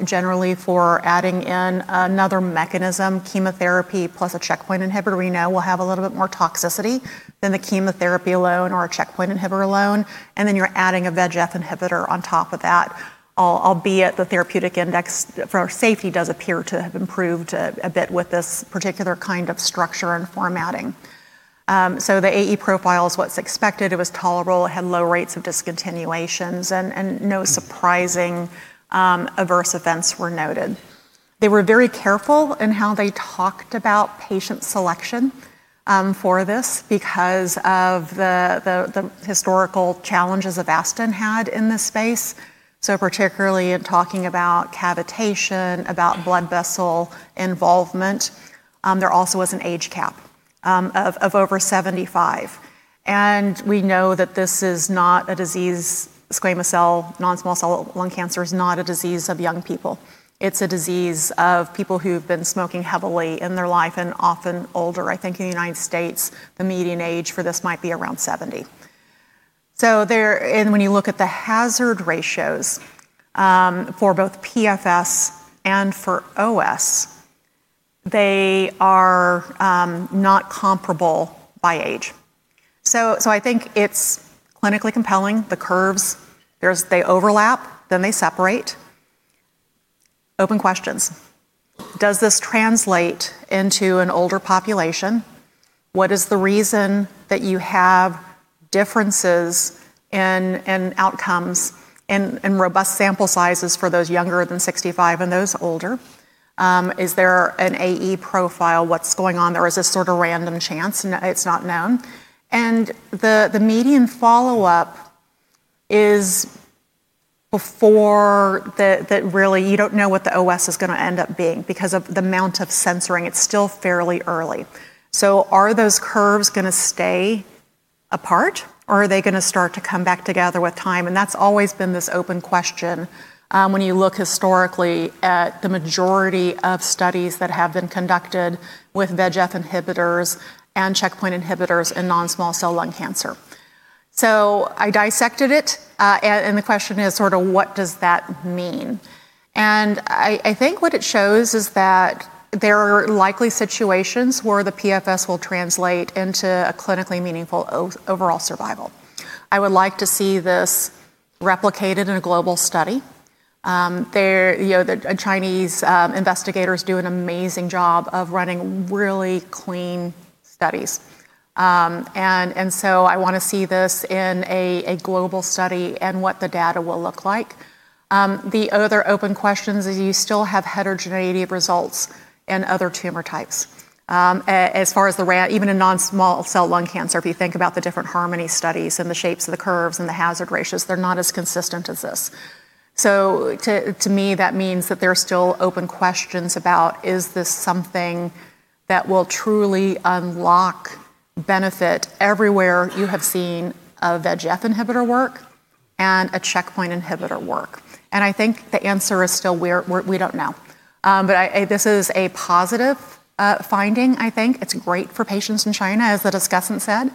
Generally, for adding in another mechanism, chemotherapy plus a checkpoint inhibitor, we know will have a little bit more toxicity than the chemotherapy alone or a checkpoint inhibitor alone. Then you're adding a VEGF inhibitor on top of that, albeit the therapeutic index for safety does appear to have improved a bit with this particular kind of structure and formatting. The AE profile is what's expected. It was tolerable. It had low rates of discontinuations, and no surprising adverse events were noted. They were very careful in how they talked about patient selection for this because of the historical challenges Avastin had in this space, particularly in talking about cavitation, about blood vessel involvement. There also was an age cap of over 75. We know that this is not a disease, squamous cell non-small cell lung cancer is not a disease of young people. It's a disease of people who've been smoking heavily in their life and often older. I think in the United States, the median age for this might be around 70. When you look at the hazard ratios for both PFS and for OS, they are not comparable by age. I think it's clinically compelling. The curves, they overlap, then they separate. Open questions. Does this translate into an older population? What is the reason that you have differences in outcomes and robust sample sizes for those younger than 65 and those older? Is there an AE profile? What's going on there? Is this sort of random chance? No, it's not known. The median follow-up is before that really you don't know what the OS is going to end up being because of the amount of censoring. It's still fairly early. Are those curves going to stay apart, or are they going to start to come back together with time? That's always been this open question when you look historically at the majority of studies that have been conducted with VEGF inhibitors and checkpoint inhibitors in non-small cell lung cancer. I dissected it, and the question is sort of what does that mean? I think what it shows is that there are likely situations where the PFS will translate into a clinically meaningful overall survival. I would like to see this replicated in a global study. The Chinese investigators do an amazing job of running really clean studies. I want to see this in a global study and what the data will look like. The other open question is you still have heterogeneity of results in other tumor types. Even in non-small cell lung cancer, if you think about the different HARMONi studies and the shapes of the curves and the hazard ratios, they're not as consistent as this. To me, that means that there are still open questions about is this something that will truly unlock benefit everywhere you have seen a VEGF inhibitor work and a checkpoint inhibitor work? I think the answer is still we don't know. This is a positive finding, I think. It's great for patients in China, as the discussant said.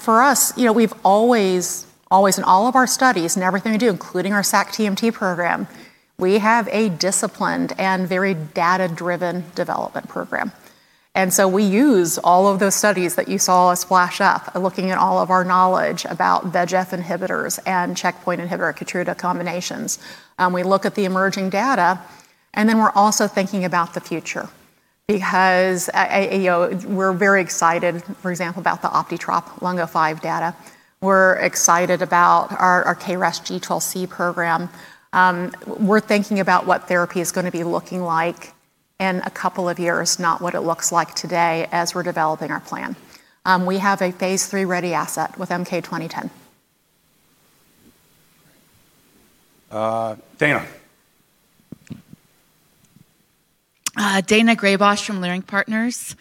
For us, we've always in all of our studies and everything we do, including our sac-TMT program, we have a disciplined and very data-driven development program. We use all of those studies that you saw us flash up, looking at all of our knowledge about VEGF inhibitors and checkpoint inhibitor KEYTRUDA combinations. We look at the emerging data, then we're also thinking about the future because we're very excited, for example, about the OptiTROP-Lung05 data. We're excited about our KRAS G12C program. We're thinking about what therapy is going to be looking like in a couple of years, not what it looks like today as we're developing our plan. We have a phase III-ready asset with MK-2010. Daina. Daina Graybosch from Leerink Partners.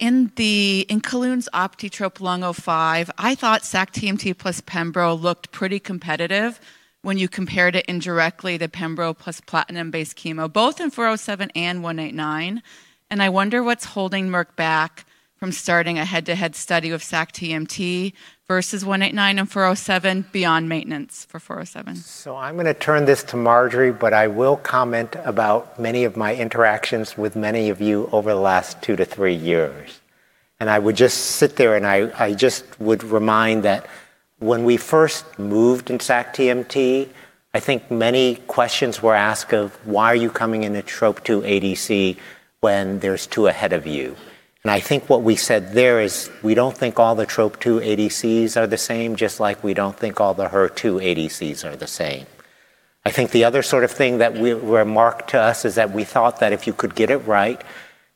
In Kelun's OptiTROP-Lung05, I thought sac-TMT plus pembrolizumab looked pretty competitive when you compared it indirectly to pembrolizumab plus platinum-based chemo, both in 407 and 189, and I wonder what's holding Merck back from starting a head-to-head study of sac-TMT versus 189 and 407 beyond maintenance for 407? I'm going to turn this to Marjorie, but I will comment about many of my interactions with many of you over the last two to three years. I would just sit there and I just would remind that when we first moved in sac-TMT, I think many questions were asked of why are you coming in a Trop-2 ADC when there's two ahead of you? I think what we said there is we don't think all the Trop-2 ADCs are the same, just like we don't think all the HER2 ADCs are the same. I think the other thing that remarked to us is that we thought that if you could get it right,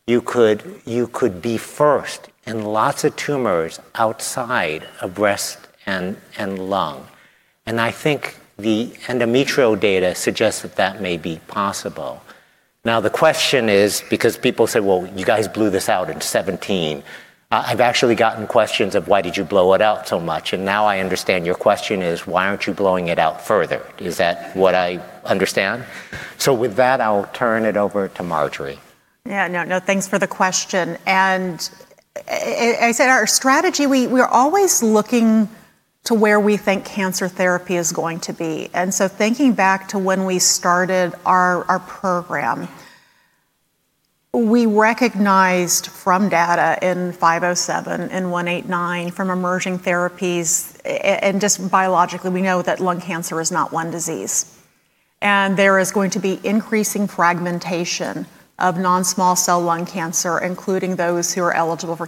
you could be first in lots of tumors outside of breast and lung. I think the endometrial data suggests that that may be possible. The question is because people said, "Well, you guys blew this out in 2017." I've actually gotten questions of why did you blow it out so much? Now I understand your question is why aren't you blowing it out further? Is that what I understand? With that, I'll turn it over to Marjorie. No, thanks for the question. As I said, our strategy, we are always looking to where we think cancer therapy is going to be. Thinking back to when we started our program, we recognized from data in 507, in 189, from emerging therapies, and just biologically, we know that lung cancer is not one disease. There is going to be increasing fragmentation of non-small cell lung cancer, including those who are eligible for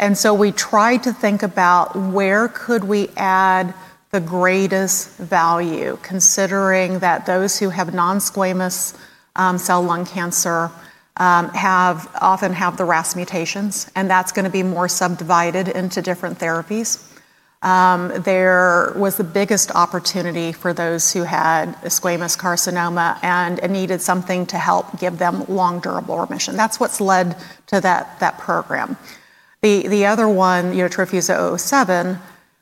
KEYNOTE-189. We tried to think about where could we add the greatest value, considering that those who have non-squamous cell lung cancer often have the RAS mutations, and that's going to be more subdivided into different therapies. There was the biggest opportunity for those who had squamous carcinoma and needed something to help give them long durable remission. That's what's led to that program. The other one, TroFuse-007,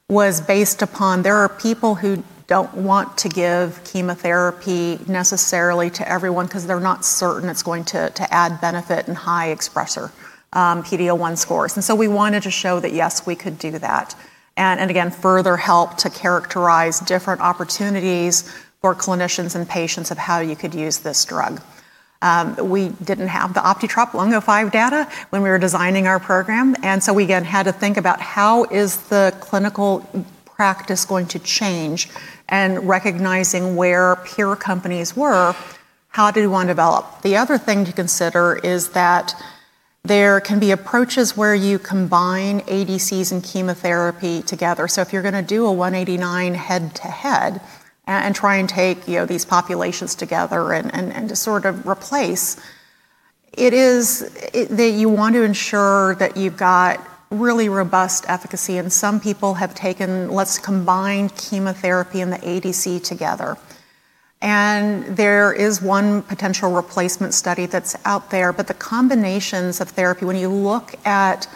was based upon there are people who don't want to give chemotherapy necessarily to everyone because they're not certain it's going to add benefit in high expresser PD-1 scores. We wanted to show that yes, we could do that and again, further help to characterize different opportunities for clinicians and patients of how you could use this drug. We didn't have the OptiTROP-Lung05 data when we were designing our program, we again had to think about how is the clinical practice going to change and recognizing where peer companies were, how do we want to develop? The other thing to consider is that there can be approaches where you combine ADCs and chemotherapy together. If you're going to do a 189 head-to-head and try and take these populations together and just sort of replace, you want to ensure that you've got really robust efficacy, and some people have taken, let's combine chemotherapy and the ADC together. There is one potential replacement study that's out there. The combinations of therapy, when you look at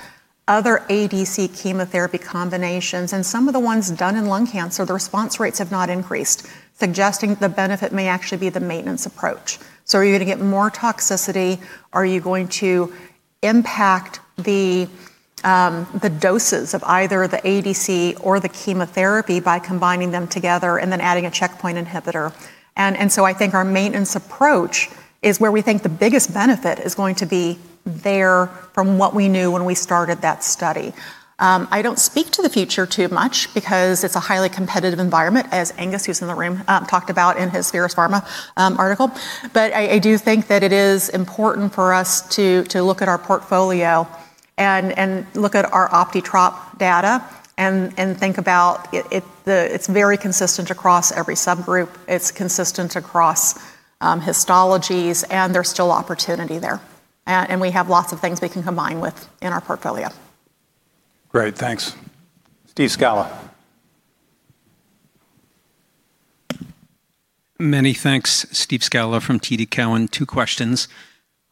other ADC chemotherapy combinations and some of the ones done in lung cancer, the response rates have not increased, suggesting the benefit may actually be the maintenance approach. Are you going to get more toxicity? Are you going to impact the doses of either the ADC or the chemotherapy by combining them together and then adding a checkpoint inhibitor. I think our maintenance approach is where we think the biggest benefit is going to be there from what we knew when we started that study. I don't speak to the future too much because it's a highly competitive environment, as Angus, who's in the room, talked about in his FiercePharma article. I do think that it is important for us to look at our portfolio and look at our OptiTROP data and think about it's very consistent across every subgroup, it's consistent across histologies, and there's still opportunity there. We have lots of things we can combine with in our portfolio. Great. Thanks. Steve Scala. Many thanks. Steve Scala from TD Cowen. Two questions.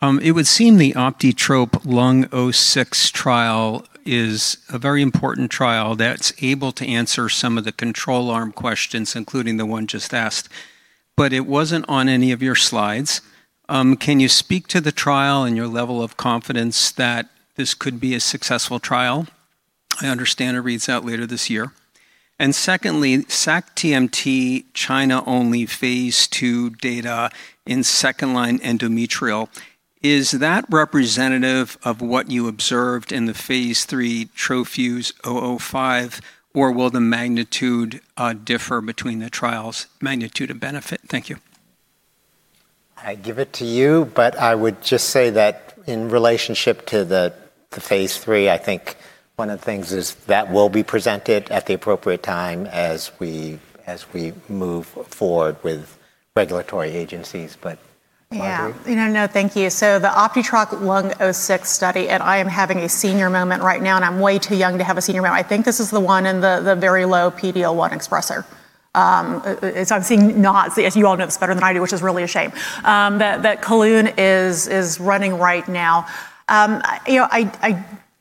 It would seem the OptiTROP-Lung06 trial is a very important trial that's able to answer some of the control arm questions, including the one just asked, but it wasn't on any of your slides. Can you speak to the trial and your level of confidence that this could be a successful trial? I understand it reads out later this year. Secondly, sac-TMT China only phase II data in second-line endometrial. Is that representative of what you observed in the phase III TroFuse-005, or will the magnitude differ between the trials' magnitude of benefit? Thank you. I give it to you, but I would just say that in relationship to the phase III, I think one of the things is that will be presented at the appropriate time as we move forward with regulatory agencies. Marjorie? Yeah. No, thank you. The OptiTROP-Lung-06 study, and I am having a senior moment right now, and I am way too young to have a senior moment. I think this is the one in the very low PD-L1 expressor. As you all know, this better than I do, which is really a shame. That Kelun is running right now. I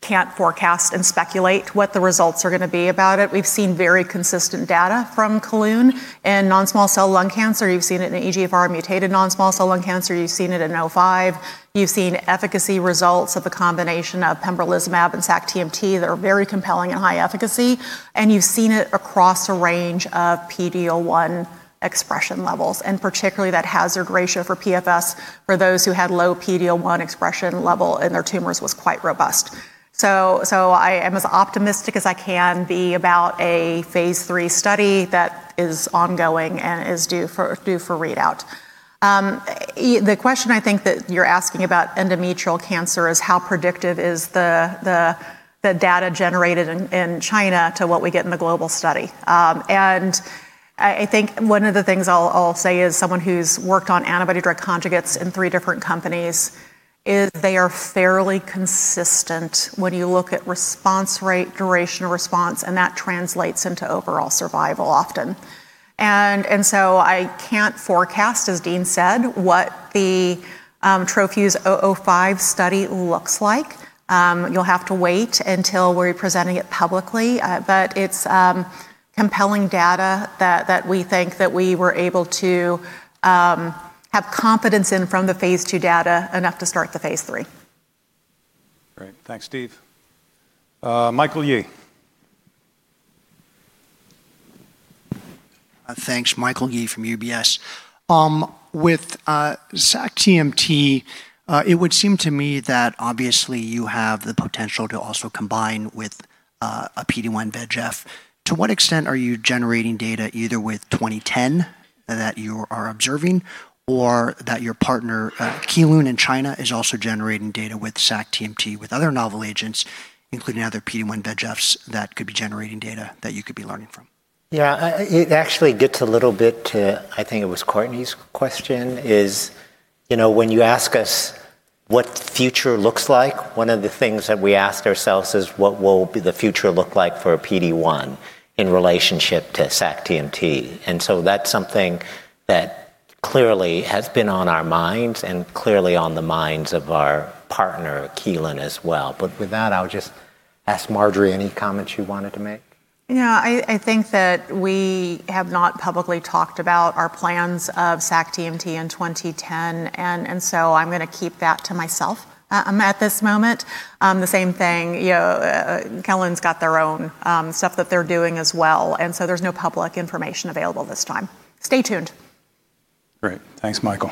can't forecast and speculate what the results are going to be about it. We've seen very consistent data from Kelun in non-small cell lung cancer. You've seen it in EGFR-mutated non-small cell lung cancer. You've seen it in 05. You've seen efficacy results of the combination of pembrolizumab and sac-TMT that are very compelling and high efficacy. You've seen it across a range of PD-L1 expression levels, and particularly that hazard ratio for PFS for those who had low PD-L1 expression level in their tumors was quite robust. I am as optimistic as I can be about a phase III study that is ongoing and is due for readout. The question I think that you're asking about endometrial cancer is how predictive is the data generated in China to what we get in the global study. I think one of the things I'll say is someone who's worked on antibody drug conjugates in three different companies is they are fairly consistent when you look at response rate, duration of response, and that translates into overall survival often. I can't forecast, as Dean said, what the TroFuse-005 study looks like. You'll have to wait until we're presenting it publicly. It's compelling data that we think that we were able to have confidence in from the phase II data enough to start the phase III. Great. Thanks, Steve. Michael Yee. Thanks. Michael Yee from UBS. With sac-TMT, it would seem to me that obviously you have the potential to also combine with a PD-1/VEGF. To what extent are you generating data either with 2010 that you are observing, or that your partner, Kelun in China, is also generating data with sac-TMT with other novel agents, including other PD-1/VEGFs, that could be generating data that you could be learning from? Yeah. It actually gets a little bit to, I think it was Courtney's question, is when you ask us what future looks like, one of the things that we ask ourselves is, what will the future look like for a PD-1 in relationship to sac-TMT? That's something that clearly has been on our minds and clearly on the minds of our partner, Kelun, as well. With that, I would just ask Marjorie any comments you wanted to make. Yeah. I think that we have not publicly talked about our plans of sac-TMT in 2010. I'm going to keep that to myself at this moment. The same thing, Kelun's got their own stuff that they're doing as well. There's no public information available this time. Stay tuned. Great. Thanks, Michael.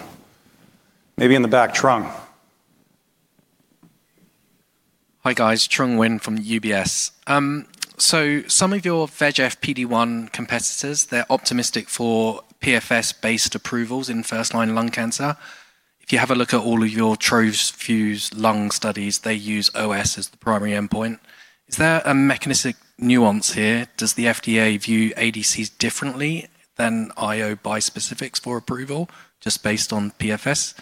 Maybe in the back, Trung. Hi, guys. Trung Huynh from UBS. Some of your VEGF PD-1 competitors, they're optimistic for PFS-based approvals in first-line lung cancer. If you have a look at all of your TroFuse lung studies, they use OS as the primary endpoint. Is there a mechanistic nuance here? Does the FDA view ADCs differently than IO bispecifics for approval, just based on PFS?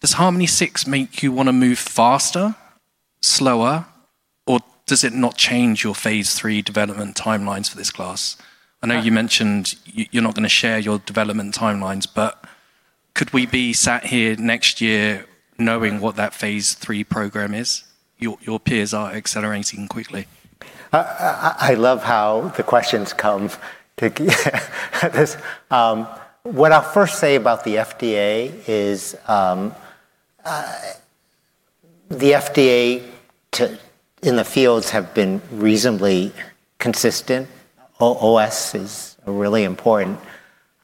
Does HARMONi-6 make you want to move faster, slower, or does it not change your phase III development timelines for this class? I know you mentioned you're not going to share your development timelines, but could we be sat here next year knowing what that phase III program is? Your peers are accelerating quickly. I love how the questions come at this. What I'll first say about the FDA is the FDA in the fields have been reasonably consistent. OS is a really important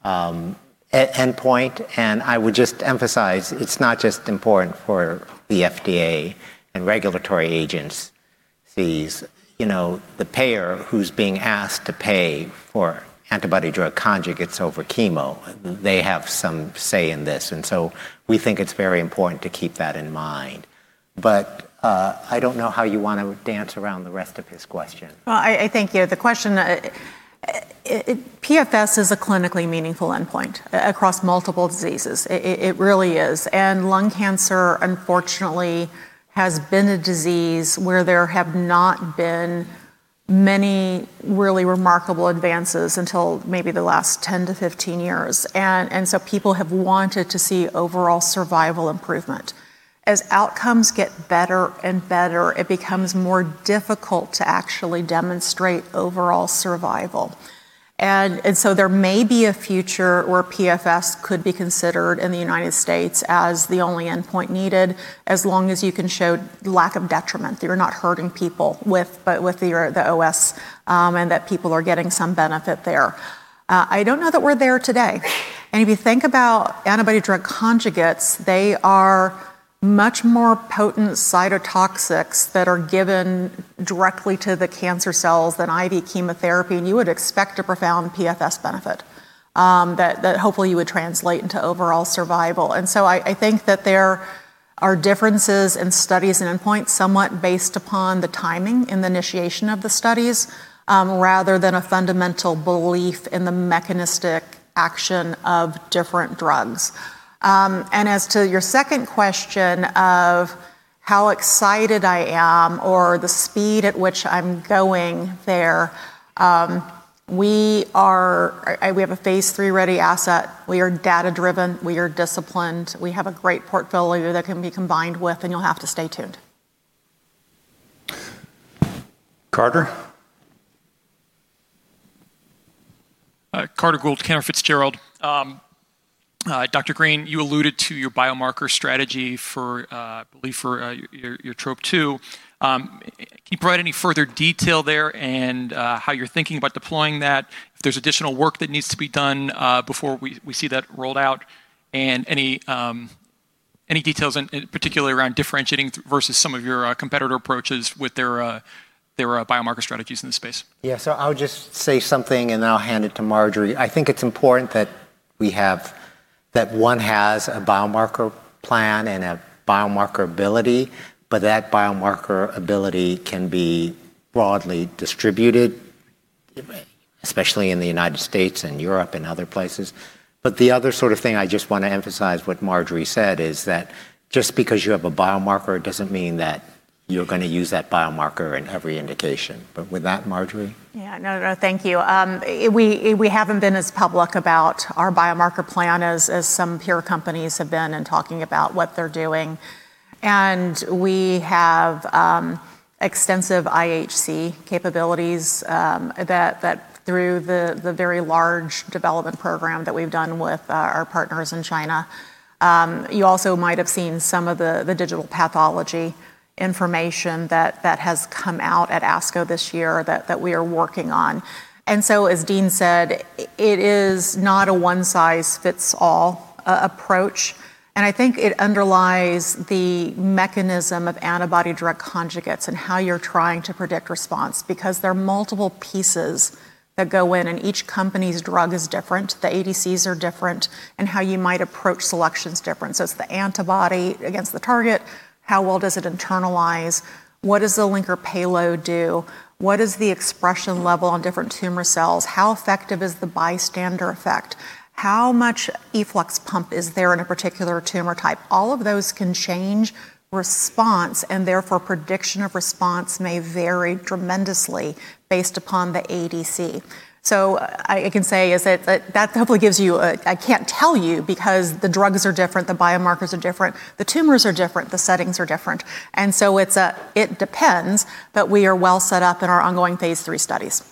endpoint, and I would just emphasize it's not just important for the FDA and regulatory agencies. The payer who's being asked to pay for antibody drug conjugates over chemo, they have some say in this. We think it's very important to keep that in mind. I don't know how you want to dance around the rest of his question. Well, I thank you. PFS is a clinically meaningful endpoint across multiple diseases. It really is. Lung cancer, unfortunately, has been a disease where there have not been many really remarkable advances until maybe the last 10-15 years. People have wanted to see overall survival improvement. As outcomes get better and better, it becomes more difficult to actually demonstrate overall survival. There may be a future where PFS could be considered in the United States as the only endpoint needed, as long as you can show lack of detriment, that you're not hurting people with the OS, and that people are getting some benefit there. I don't know that we're there today. If you think about antibody-drug conjugates, they are much more potent cytotoxics that are given directly to the cancer cells than IV chemotherapy, and you would expect a profound PFS benefit that hopefully you would translate into overall survival. I think that there are differences in studies and endpoints somewhat based upon the timing in the initiation of the studies, rather than a fundamental belief in the mechanistic action of different drugs. As to your second question of how excited I am or the speed at which I'm going there, we have a phase III-ready asset. We are data-driven. We are disciplined. We have a great portfolio that can be combined with, and you'll have to stay tuned. Carter? Carter Gould, Cantor Fitzgerald. Dr. Green, you alluded to your biomarker strategy for your Trop-2. Can you provide any further detail there and how you're thinking about deploying that? If there's additional work that needs to be done before we see that rolled out, and any details particularly around differentiating versus some of your competitor approaches with their biomarker strategies in this space? Yeah. I'll just say something, and then I'll hand it to Marjorie. I think it's important that one has a biomarker plan and a biomarker ability, but that biomarker ability can be broadly distributed, especially in the United States and Europe and other places. The other thing I just want to emphasize what Marjorie said is that just because you have a biomarker doesn't mean that you're going to use that biomarker in every indication. With that, Marjorie? Yeah. No, thank you. We haven't been as public about our biomarker plan as some peer companies have been in talking about what they're doing. We have extensive IHC capabilities through the very large development program that we've done with our partners in China. You also might have seen some of the digital pathology information that has come out at ASCO this year that we are working on. As Dean said, it is not a one-size-fits-all approach, and I think it underlies the mechanism of antibody drug conjugates and how you're trying to predict response because there are multiple pieces that go in and each company's drug is different, the ADCs are different, and how you might approach selection is different. It's the antibody against the target. How well does it internalize? What does the linker payload do? What is the expression level on different tumor cells? How effective is the bystander effect? How much efflux pump is there in a particular tumor type? All of those can change response, therefore, prediction of response may vary tremendously based upon the ADC. I can say is that hopefully gives you a, "I can't tell you because the drugs are different, the biomarkers are different, the tumors are different, the settings are different." It depends, but we are well set up in our ongoing phase III studies.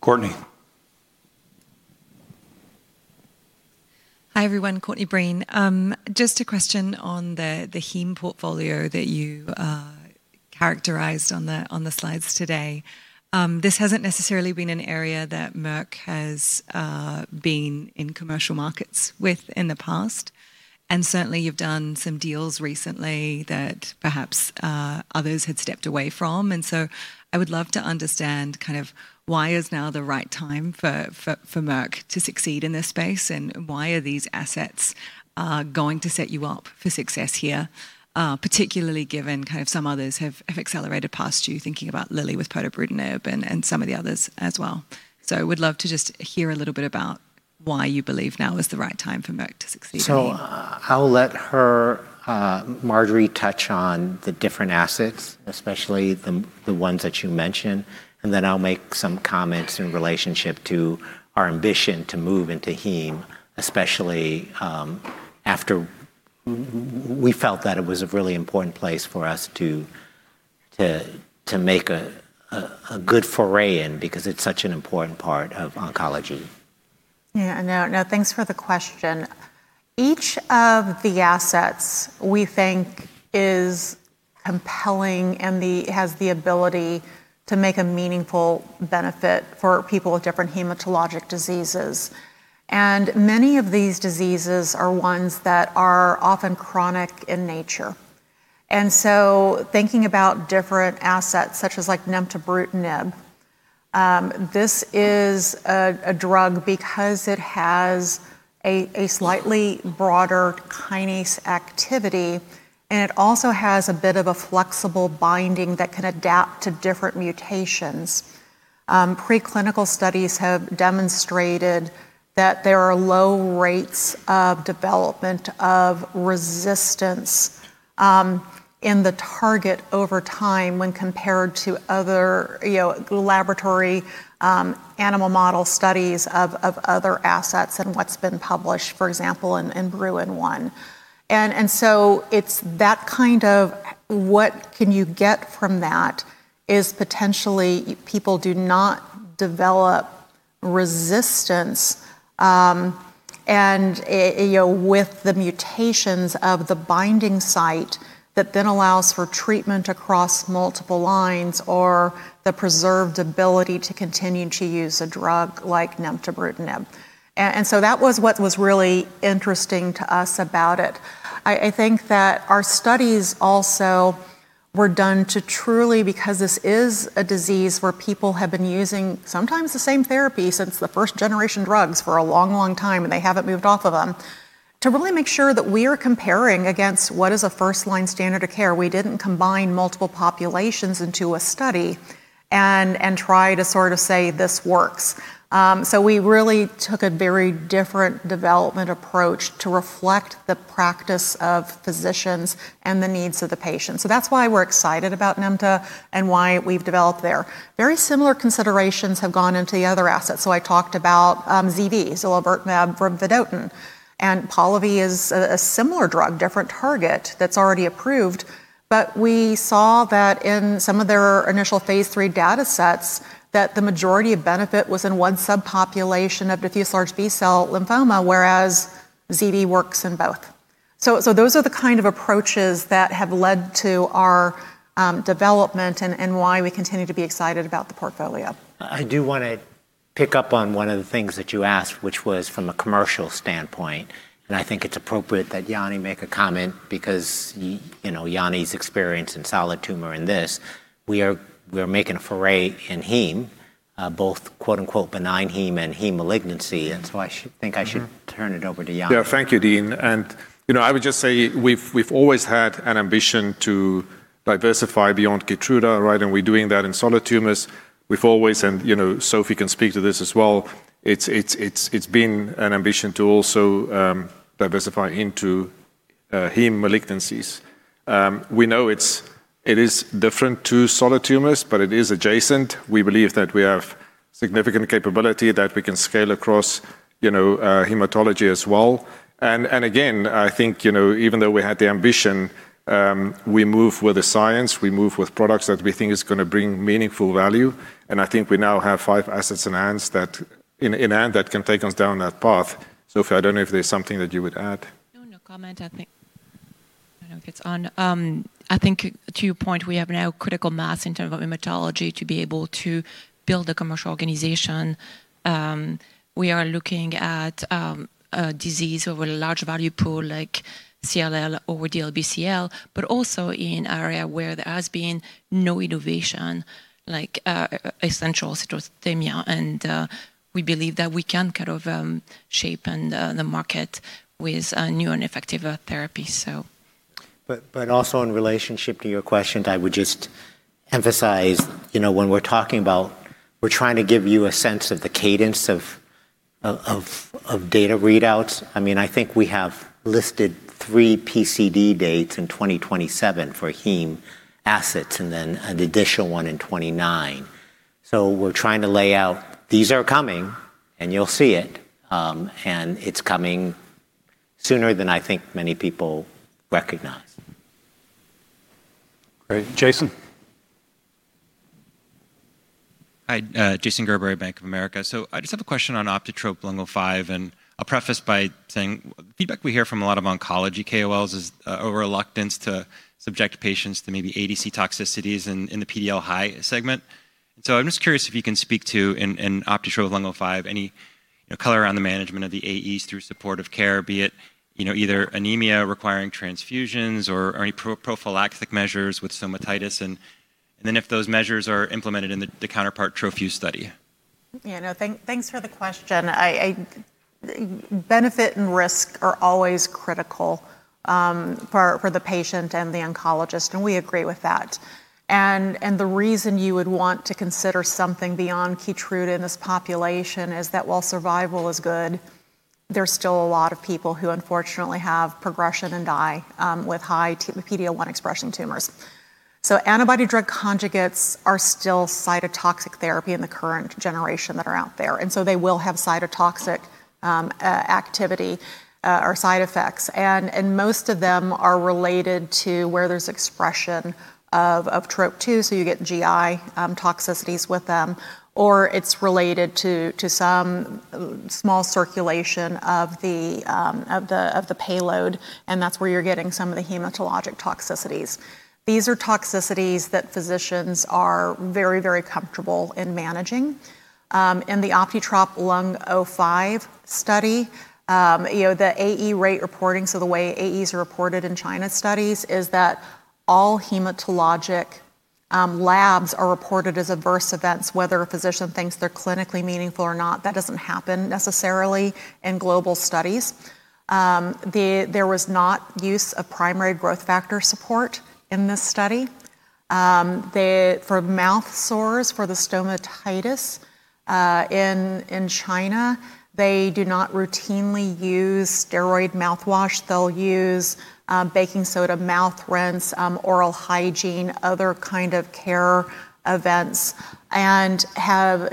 Courtney. Hi, everyone. Courtney Breen. Just a question on the heme portfolio that you characterized on the slides today. This hasn't necessarily been an area that Merck has been in commercial markets with in the past, certainly you've done some deals recently that perhaps others had stepped away from. I would love to understand why is now the right time for Merck to succeed in this space, and why are these assets going to set you up for success here, particularly given some others have accelerated past you, thinking about Lilly with pirtobrutinib and some of the others as well. Would love to just hear a little bit about why you believe now is the right time for Merck to succeed in heme. I'll let Marjorie touch on the different assets, especially the ones that you mentioned, and then I'll make some comments in relationship to our ambition to move into heme, especially after we felt that it was a really important place for us to make a good foray in because it's such an important part of oncology. Yeah. No. Thanks for the question. Each of the assets, we think, is compelling and has the ability to make a meaningful benefit for people with different hematologic diseases. Many of these diseases are ones that are often chronic in nature. Thinking about different assets such as nemtabrutinib, this is a drug because it has a slightly broader kinase activity, and it also has a bit of a flexible binding that can adapt to different mutations. Preclinical studies have demonstrated that there are low rates of development of resistance in the target over time when compared to other laboratory animal model studies of other assets and what's been published, for example, in BRUIN 1. It's that kind of what can you get from that is potentially people do not develop resistance with the mutations of the binding site that then allows for treatment across multiple lines or the preserved ability to continue to use a drug like nemtabrutinib. That was what was really interesting to us about it. I think that our studies also were done to truly because this is a disease where people have been using sometimes the same therapy since the first-generation drugs for a long, long time, and they haven't moved off of them, to really make sure that we are comparing against what is a first-line standard of care. We didn't combine multiple populations into a study and try to sort of say this works. We really took a very different development approach to reflect the practice of physicians and the needs of the patient. That's why we're excited about nemta and why we've developed there. Very similar considerations have gone into the other assets. I talked about ZV, zilovertamab vedotin, and POLIVY is a similar drug, different target that's already approved. We saw that in some of their initial phase III data sets that the majority of benefit was in one subpopulation of diffuse large B-cell lymphoma, whereas ZV works in both. Those are the kind of approaches that have led to our development and why we continue to be excited about the portfolio. I do want to pick up on one of the things that you asked, which was from a commercial standpoint, and I think it's appropriate that Jannie make a comment because Jannie's experience in solid tumor and this. We are making a foray in heme, both "benign heme" and heme malignancy. I think I should turn it over to Jannie. Yeah. Thank you, Dean. I would just say we've always had an ambition to diversify beyond KEYTRUDA, right? We're doing that in solid tumors. We've always, and Sophie can speak to this as well, it's been an ambition to also diversify into heme malignancies. We know it is different to solid tumors, but it is adjacent. We believe that we have significant capability that we can scale across hematology as well. Again, I think even though we had the ambition, we move with the science, we move with products that we think is going to bring meaningful value, and I think we now have five assets in hand that can take us down that path. Sophie, I don't know if there's something that you would add. No. No comment. I think I don't know if it's on. I think to your point, we have now critical mass in terms of hematology to be able to build a commercial organization. We are looking at a disease with a large value pool like CLL or DLBCL, but also in area where there has been no innovation, like essential thrombocythemia, and we believe that we can kind of shape the market with new and effective therapy. Also in relationship to your question, I would just emphasize when we're talking about we're trying to give you a sense of the cadence of data readouts. I think we have listed three PDUFA dates in 2027 for heme assets and then an additional one in 2029. We're trying to lay out these are coming, and you'll see it, and it's coming sooner than I think many people recognize. Great. Jason? Hi, Jason Gerberry, Bank of America. I just have a question on OptiTROP-Lung05, and I'll preface by saying feedback we hear from a lot of oncology KOLs is a reluctance to subject patients to maybe ADC toxicities in the PD-L1 high segment. I'm just curious if you can speak to, in OptiTROP-Lung05, any color around the management of the AEs through supportive care, be it either anemia requiring transfusions or any prophylactic measures with stomatitis, and then if those measures are implemented in the counterpart TroFuse study. Yeah. No, thanks for the question. Benefit and risk are always critical for the patient and the oncologist, and we agree with that. The reason you would want to consider something beyond KEYTRUDA in this population is that while survival is good, there's still a lot of people who unfortunately have progression and die with high PD-L1 expression tumors. Antibody-drug conjugates are still cytotoxic therapy in the current generation that are out there. They will have cytotoxic activity or side effects. Most of them are related to where there's expression of Trop-2, so you get GI toxicities with them, or it's related to some small circulation of the payload, and that's where you're getting some of the hematologic toxicities. These are toxicities that physicians are very, very comfortable in managing. In the OptiTROP-Lung05 study, the AE rate reporting, so the way AEs are reported in China studies, is that all hematologic labs are reported as adverse events, whether a physician thinks they're clinically meaningful or not. That doesn't happen necessarily in global studies. There was not use of primary growth factor support in this study. For mouth sores, for the stomatitis, in China, they do not routinely use steroid mouthwash. They'll use baking soda mouth rinse, oral hygiene, other kind of care events, and in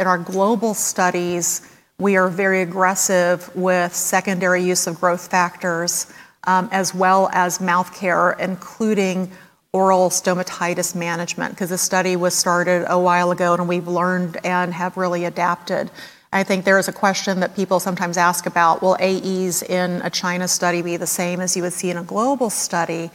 our global studies, we are very aggressive with secondary use of growth factors as well as mouth care, including oral stomatitis management, because this study was started a while ago, and we've learned and have really adapted. I think there is a question that people sometimes ask about, will AEs in a China study be the same as you would see in a global study?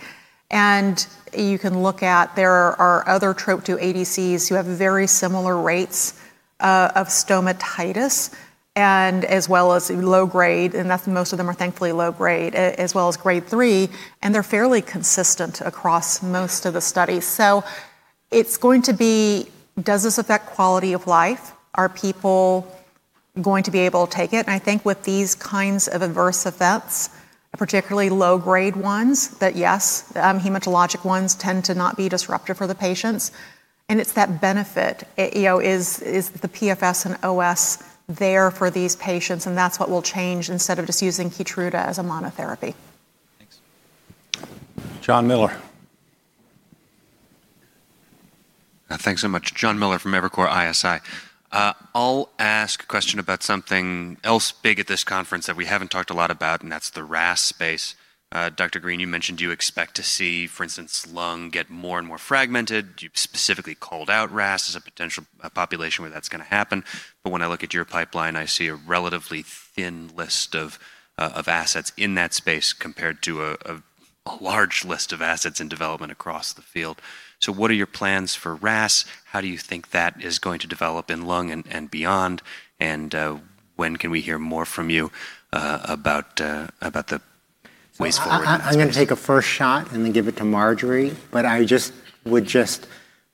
You can look at, there are other Trop-2 ADCs who have very similar rates of stomatitis and as well as low-grade, and most of them are thankfully low-grade, as well as Grade 3, and they're fairly consistent across most of the studies. It's going to be, does this affect quality of life? Are people going to be able to take it? I think with these kinds of adverse effects, particularly low-grade ones, that yes, hematologic ones tend to not be disruptive for the patients. It's that benefit. Is the PFS and OS there for these patients? That's what will change instead of just using KEYTRUDA as a monotherapy. Thanks. Jon Miller. Thanks so much. Jon Miller from Evercore ISI. I'll ask a question about something else big at this conference that we haven't talked a lot about, and that's the RAS space. Dr. Green, you mentioned you expect to see, for instance, lung get more and more fragmented. You specifically called out RAS as a potential population where that's going to happen. When I look at your pipeline, I see a relatively thin list of assets in that space compared to a large list of assets in development across the field. What are your plans for RAS? How do you think that is going to develop in lung and beyond? When can we hear more from you about the space forward in this space? I'm going to take a first shot and then give it to Marjorie,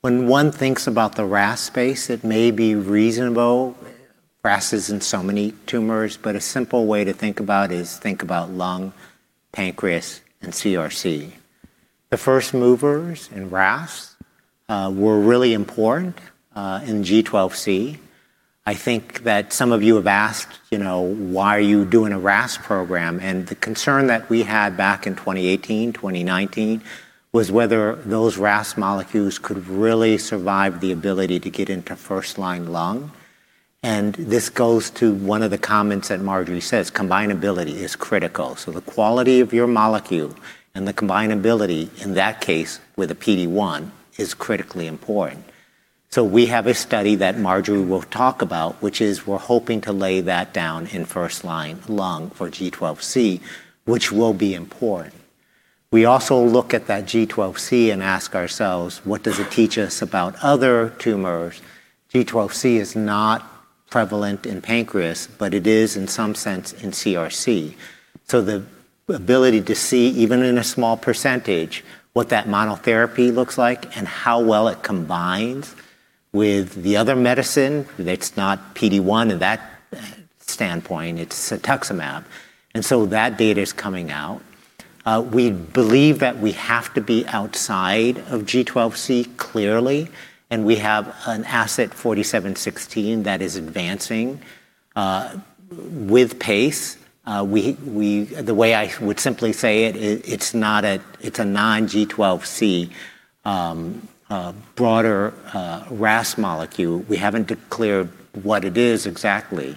when one thinks about the RAS space, it may be reasonable. RAS is in so many tumors, a simple way to think about is think about lung, pancreas, and CRC. The first movers in RAS were really important in G12C. I think that some of you have asked, "Why are you doing a RAS program?" The concern that we had back in 2018, 2019, was whether those RAS molecules could really survive the ability to get into first-line lung. This goes to one of the comments that Marjorie says, combinability is critical. The quality of your molecule and the combinability, in that case, with a PD-1, is critically important. We have a study that Marjorie will talk about, which is we're hoping to lay that down in first-line lung for G12C, which will be important. We also look at that G12C and ask ourselves, what does it teach us about other tumors? G12C is not prevalent in pancreas, but it is in some sense in CRC. The ability to see, even in a small percentage, what that monotherapy looks like and how well it combines with the other medicine, that's not PD-1 in that standpoint, it's cetuximab. That data is coming out. We believe that we have to be outside of G12C, clearly, and we have an asset, 4716, that is advancing with pace. The way I would simply say it's a non-G12C broader RAS molecule. We haven't declared what it is exactly,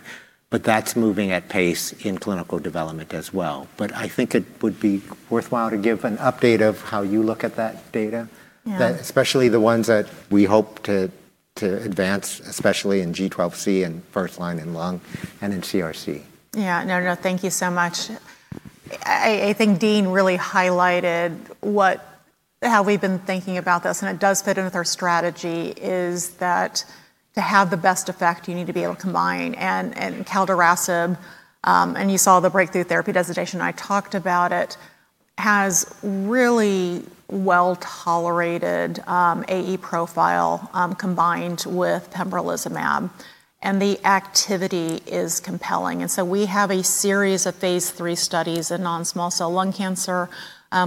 but that's moving at pace in clinical development as well. I think it would be worthwhile to give an update of how you look at that data. Yeah. Especially the ones that we hope to advance, especially in G12C and first-line in lung and in CRC. Yeah. No, thank you so much. I think Dean really highlighted how we've been thinking about this, and it does fit in with our strategy, is that to have the best effect, you need to be able to combine calderasib, and you saw the breakthrough therapy designation, I talked about it, has really well-tolerated AE profile combined with pembrolizumab, and the activity is compelling. So we have a series of phase III studies in non-small cell lung cancer.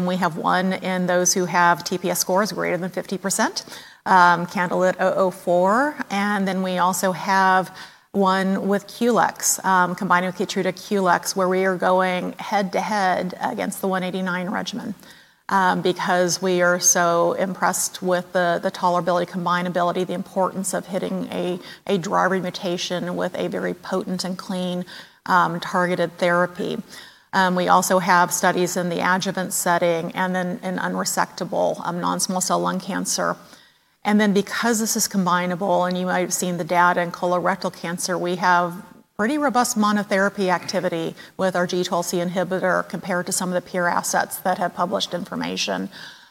We have one in those who have TPS scores greater than 50%. KANDLELIT-004. Then we also have one with QLEX, combining with KEYTRUDA QLEX, where we are going head-to-head against the 189 regimen because we are so impressed with the tolerability, combinability, the importance of hitting a driver mutation with a very potent and clean targeted therapy. We also have studies in the adjuvant setting in unresectable non-small cell lung cancer. Because this is combinable and you might have seen the data in colorectal cancer, we have pretty robust monotherapy activity with our G12C inhibitor compared to some of the peer assets that have published information.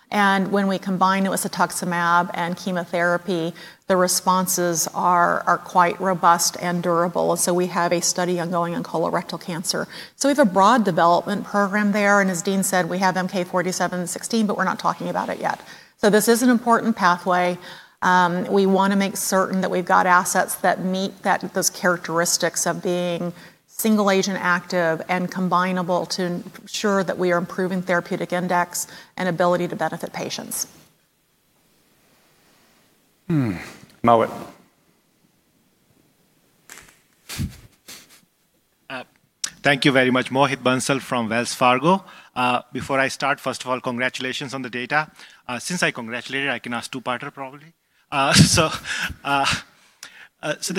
When we combine it with cetuximab and chemotherapy, the responses are quite robust and durable. We have a study ongoing on colorectal cancer. We have a broad development program there, and as Dean said, we have MK-4716, but we're not talking about it yet. This is an important pathway. We want to make certain that we've got assets that meet those characteristics of being single-agent active and combinable to ensure that we are improving therapeutic index and ability to benefit patients. Mohit. Thank you very much. Mohit Bansal from Wells Fargo. Before I start, first of all, congratulations on the data. Since I congratulated, I can ask two-parter probably. The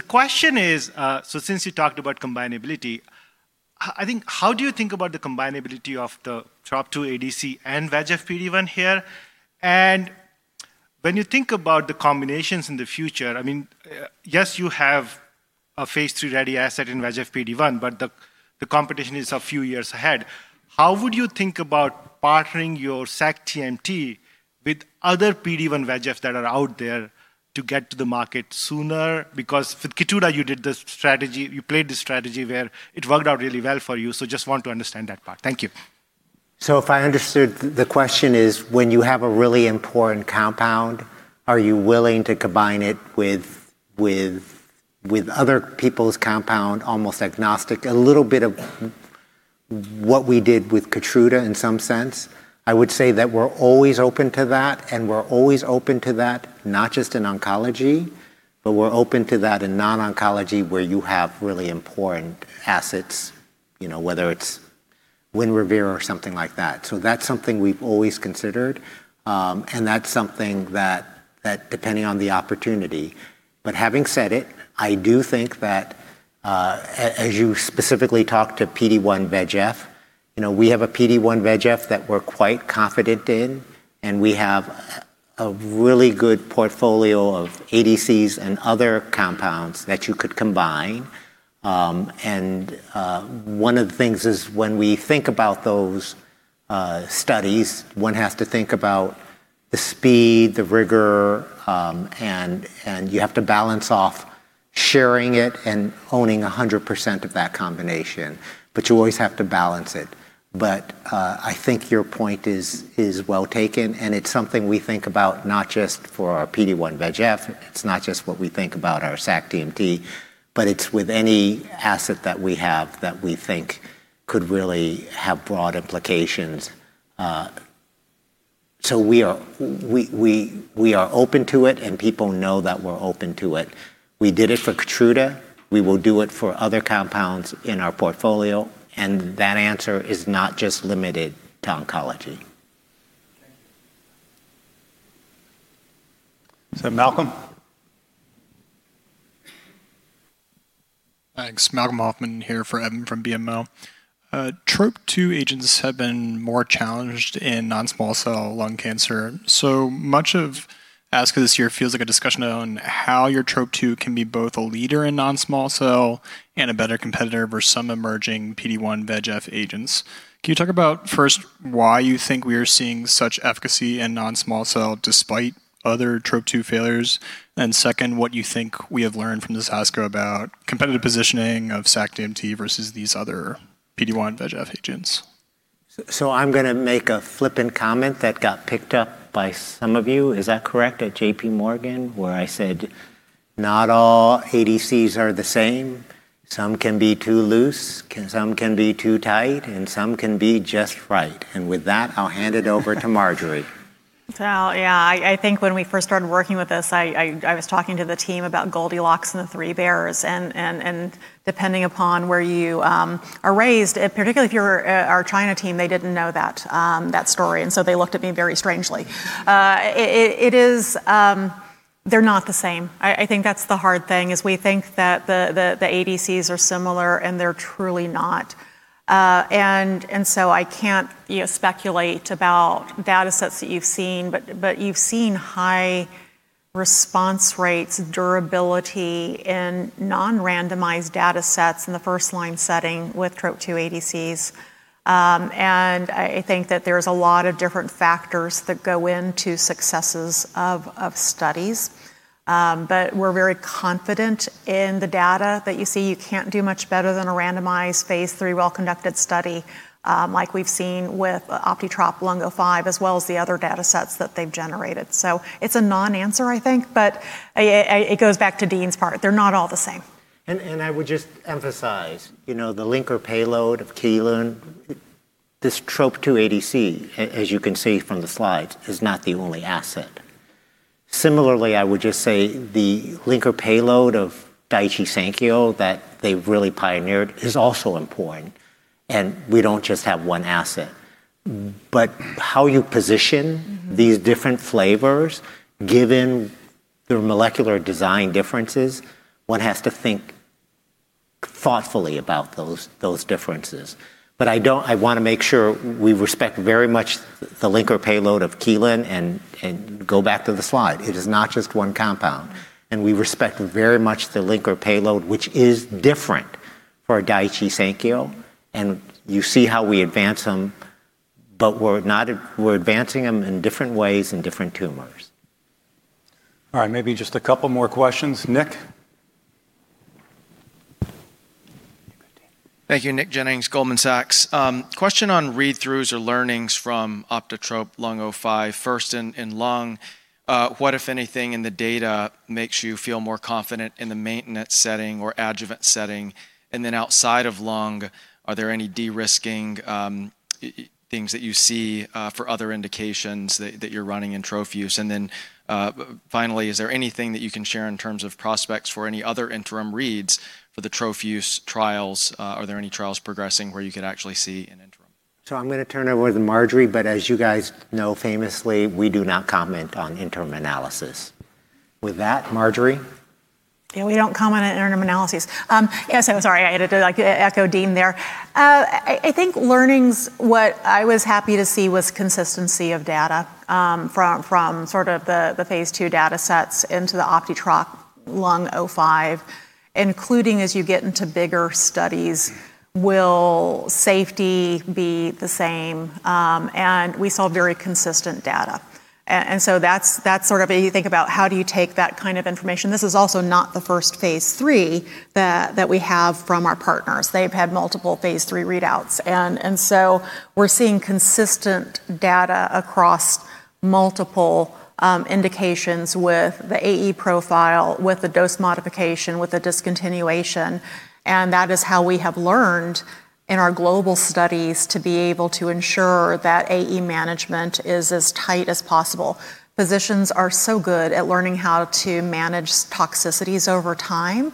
question is, since you talked about combinability, how do you think about the combinability of the Trop-2 ADC and VEGF PD-1 here? When you think about the combinations in the future, yes, you have a phase III-ready asset in VEGF PD-1, but the competition is a few years ahead. How would you think about partnering your sac-TMT with other PD-1 VEGF that are out there to get to the market sooner? With KEYTRUDA, you played this strategy where it worked out really well for you. Just want to understand that part. Thank you. If I understood, the question is when you have a really important compound, are you willing to combine it with other people's compound, almost agnostic? A little bit of what we did with KEYTRUDA in some sense. I would say that we're always open to that, and we're always open to that, not just in oncology, but we're open to that in non-oncology, where you have really important assets, whether it's WINREVAIR or something like that. That's something we've always considered, and that's something that, depending on the opportunity. Having said it, I do think that, as you specifically talked to PD-1 VEGF, we have a PD-1 VEGF that we're quite confident in, and we have a really good portfolio of ADCs and other compounds that you could combine. One of the things is when we think about those studies, one has to think about the speed, the rigor, and you have to balance off sharing it and owning 100% of that combination. You always have to balance it. I think your point is well taken, and it's something we think about not just for our PD-1 VEGF. It's not just what we think about our sac-TMT, but it's with any asset that we have that we think could really have broad implications. We are open to it, and people know that we're open to it. We did it for KEYTRUDA. We will do it for other compounds in our portfolio, and that answer is not just limited to oncology. Malcolm? Thanks. Malcolm Hoffman here from BMO. Trop-2 agents have been more challenged in non-small cell lung cancer. Much of ASCO this year feels like a discussion on how your Trop-2 can be both a leader in non-small cell and a better competitor for some emerging PD-1 VEGF agents. Can you talk about first why you think we are seeing such efficacy in non-small cell despite other Trop-2 failures? Second, what you think we have learned from this ASCO about competitive positioning of sac-TMT versus these other PD-1 VEGF agents. I'm going to make a flippant comment that got picked up by some of you, is that correct? At JPMorgan, where I said not all ADCs are the same. Some can be too loose, some can be too tight, and some can be just right. With that, I'll hand it over to Marjorie. Yeah. I think when we first started working with this, I was talking to the team about Goldilocks and the three bears. Depending upon where you are raised, particularly if you're our China team, they didn't know that story. They looked at me very strangely. They're not the same. I think that's the hard thing is we think that the ADCs are similar, they're truly not. I can't speculate about data sets that you've seen, you've seen high response rates, durability in non-randomized data sets in the first-line setting with Trop-2 ADCs. I think that there's a lot of different factors that go into successes of studies. We're very confident in the data that you see. You can't do much better than a randomized phase III well-conducted study, like we've seen with OptiTROP-Lung05, as well as the other data sets that they've generated. It's a non-answer, I think, but it goes back to Dean's part. They're not all the same. I would just emphasize, the linker payload of KEYTRUDA. This Trop-2 ADC, as you can see from the slides, is not the only asset. Similarly, I would just say the linker payload of Daiichi Sankyo that they've really pioneered is also important, and we don't just have one asset. How you position these different flavors, given their molecular design differences, one has to think thoughtfully about those differences. I want to make sure we respect very much the linker payload of Kelun and go back to the slide. It is not just one compound. We respect very much the linker payload, which is different for Daiichi Sankyo, and you see how we advance them, but we're advancing them in different ways in different tumors. All right. Maybe just a couple more questions. Nick? Thank you, Nick Jennings, Goldman Sachs. Question on read-throughs or learnings from OptiTROP-Lung05. First in lung, what, if anything, in the data makes you feel more confident in the maintenance setting or adjuvant setting? Then outside of lung, are there any de-risking things that you see for other indications that you're running in TroFuse? Then finally, is there anything that you can share in terms of prospects for any other interim reads for the TroFuse trials? Are there any trials progressing where you could actually see an interim? I'm going to turn it over to Marjorie, as you guys know, famously, we do not comment on interim analysis. With that, Marjorie? Yeah, we don't comment on interim analyses. Yes, I'm sorry, I had to echo Dean there. I think learnings, what I was happy to see was consistency of data from the phase II data sets into the OptiTROP-Lung05, including as you get into bigger studies, will safety be the same? We saw very consistent data. You think about how do you take that kind of information? This is also not the first phase III that we have from our partners. They've had multiple phase III readouts. We're seeing consistent data across multiple indications with the AE profile, with the dose modification, with the discontinuation, and that is how we have learned in our global studies to be able to ensure that AE management is as tight as possible. Physicians are so good at learning how to manage toxicities over time.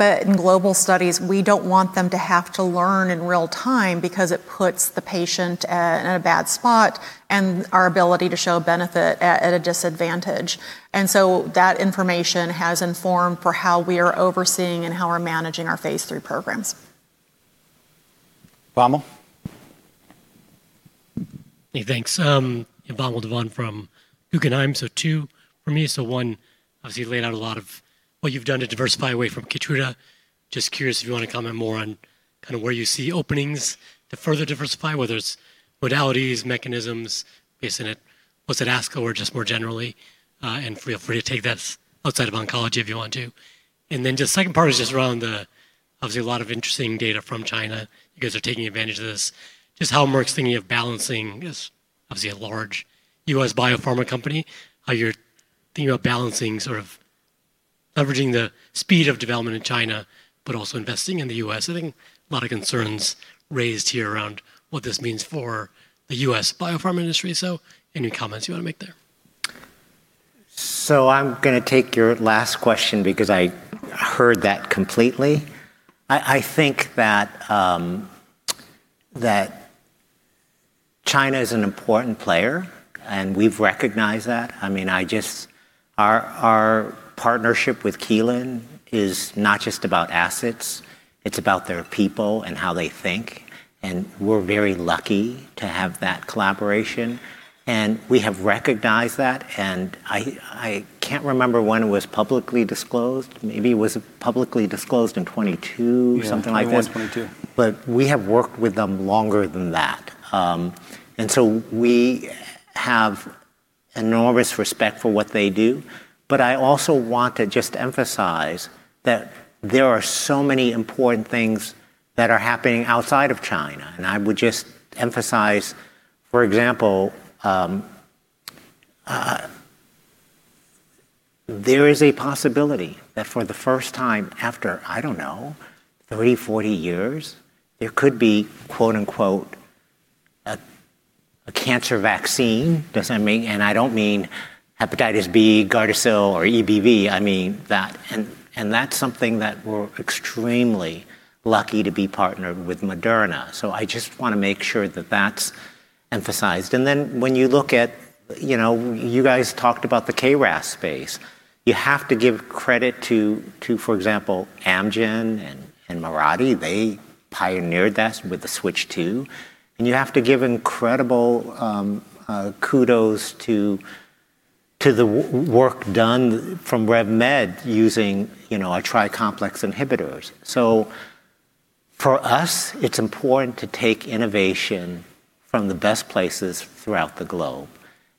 In global studies, we don't want them to have to learn in real time because it puts the patient in a bad spot and our ability to show benefit at a disadvantage. That information has informed for how we are overseeing and how we're managing our phase III programs. Vamil? Hey, thanks. Vamil Divan from Guggenheim. Two for me. One, obviously, you laid out a lot of what you've done to diversify away from KEYTRUDA. Just curious if you want to comment more on where you see openings to further diversify, whether it's modalities, mechanisms, based on what's at ASCO or just more generally, and feel free to take that outside of oncology if you want to. Just second part is just around the, obviously, a lot of interesting data from China. You guys are taking advantage of this. Just how Merck's thinking of balancing as obviously a large U.S. biopharma company, how you're thinking about balancing, leveraging the speed of development in China, but also investing in the U.S. I think a lot of concerns raised here around what this means for the U.S. biopharm industry. Any comments you want to make there? I'm going to take your last question because I heard that completely. I think that China is an important player, and we've recognized that. Our partnership with Kelun is not just about assets, it's about their people and how they think, and we're very lucky to have that collaboration. We have recognized that, and I can't remember when it was publicly disclosed. Maybe it was publicly disclosed in 2022, something like that. Yeah, it was 2022. We have worked with them longer than that. We have enormous respect for what they do, but I also want to just emphasize that there are so many important things that are happening outside of China. I would just emphasize, for example, there is a possibility that for the first time after, I don't know, 30, 40 years, there could be "a cancer vaccine." I don't mean hepatitis B, GARDASIL, or EBV. I mean that. That's something that we're extremely lucky to be partnered with Moderna. I just want to make sure that that's emphasized. When you look at, you guys talked about the KRAS space. You have to give credit to, for example, Amgen and Mirati. They pioneered that with the SWITCH II, and you have to give incredible kudos to the work done from RevMed using our tri-complex inhibitors. For us, it's important to take innovation from the best places throughout the globe,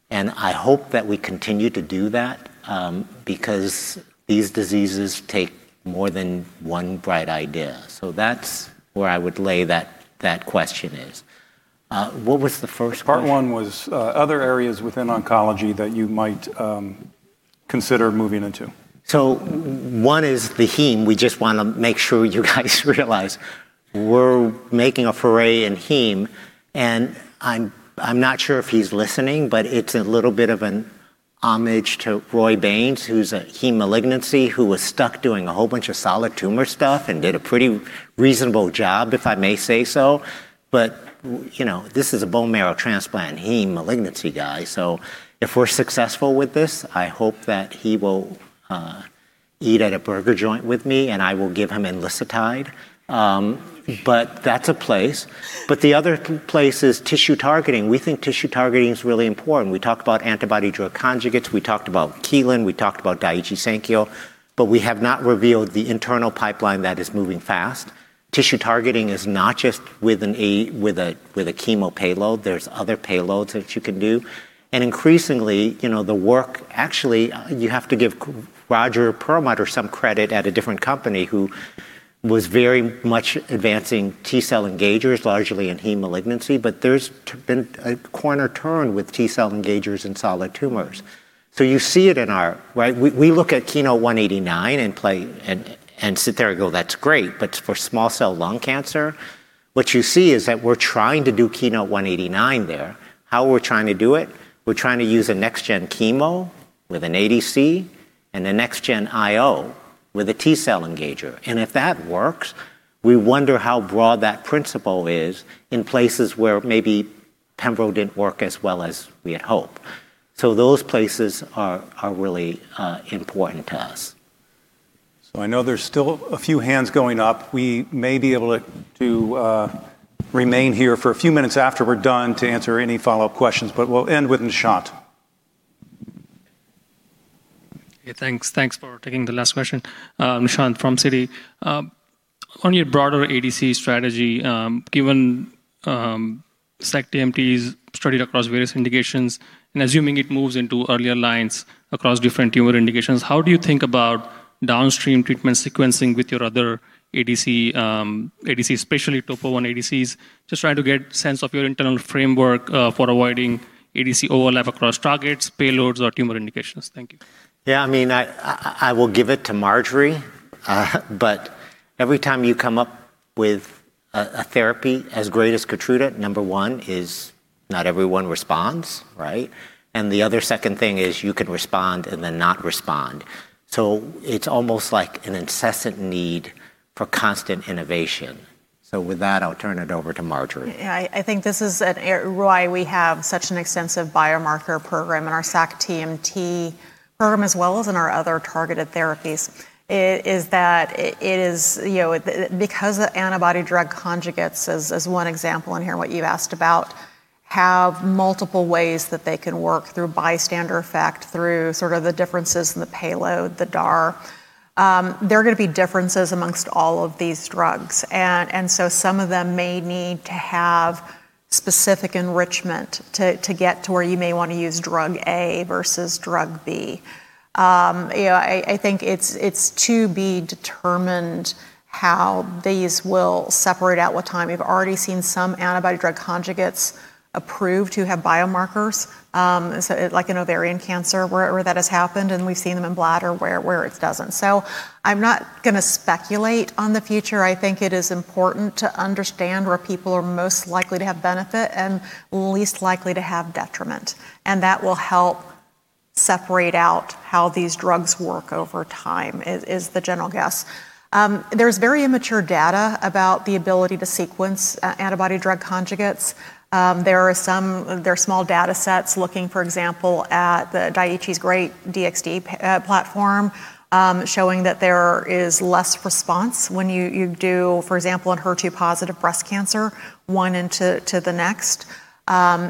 and I hope that we continue to do that because these diseases take more than one bright idea. That's where I would lay that question. What was the first question? Part one was other areas within oncology that you consider moving into. One is the heme. We just want to make sure you guys realize we're making a foray in heme, and I'm not sure if he's listening, but it's a little bit of an homage to Roy Baynes, who's a heme malignancy, who was stuck doing a whole bunch of solid tumor stuff and did a pretty reasonable job, if I may say so. This is a bone marrow transplant heme malignancy guy. If we're successful with this, I hope that he will eat at a burger joint with me, and I will give him enlicitide. That's a place. The other place is tissue targeting. We think tissue targeting is really important. We talked about antibody-drug conjugates, we talked about Kelun, we talked about Daiichi Sankyo, we have not revealed the internal pipeline that is moving fast. Tissue targeting is not just with a chemo payload. There's other payloads that you can do. Increasingly, actually, you have to give Roger Perlmutter some credit at a different company who was very much advancing T-cell engagers, largely in heme malignancy. There's been a corner turned with T-cell engagers in solid tumors. You see it in we look at KEYNOTE-189 and sit there and go, "That's great," but for small cell lung cancer, what you see is that we're trying to do KEYNOTE-189 there. How are we trying to do it? We're trying to use a next-gen chemo with an ADC and a next-gen IO with a T-cell engager. If that works, we wonder how broad that principle is in places where maybe pembro didn't work as well as we had hoped. Those places are really important to us. I know there's still a few hands going up. We may be able to remain here for a few minutes after we're done to answer any follow-up questions, but we'll end with Nishant. Okay, thanks. Thanks for taking the last question. Nishant from Citi. On your broader ADC strategy, given sac-TMT's studied across various indications, and assuming it moves into earlier lines across different tumor indications, how do you think about downstream treatment sequencing with your other ADCs, especially Topo1 ADCs? Just trying to get a sense of your internal framework for avoiding ADC overlap across targets, payloads, or tumor indications. Thank you. Yeah, I will give it to Marjorie, every time you come up with a therapy as great as KEYTRUDA, number one is not everyone responds, right? The other second thing is you can respond and then not respond. It's almost like an incessant need for constant innovation. With that, I'll turn it over to Marjorie. Yeah, I think this is why we have such an extensive biomarker program in our sac-TMT program, as well as in our other targeted therapies. Is that because the antibody-drug conjugates, as one example in here, what you asked about, have multiple ways that they can work through bystander effect, through sort of the differences in the payload, the DAR. There are going to be differences amongst all of these drugs. Some of them may need to have specific enrichment to get to where you may want to use drug A versus drug B. I think it's to be determined how these will separate out with time. We've already seen some antibody-drug conjugates approved who have biomarkers, like in ovarian cancer, where that has happened, and we've seen them in bladder where it doesn't. I'm not going to speculate on the future. I think it is important to understand where people are most likely to have benefit and least likely to have detriment. That will help separate out how these drugs work over time, is the general guess. There's very immature data about the ability to sequence antibody drug conjugates. There are small data sets looking, for example, at Daiichi Sankyo's great DXd platform, showing that there is less response when you do, for example, in HER2-positive breast cancer, one into the next.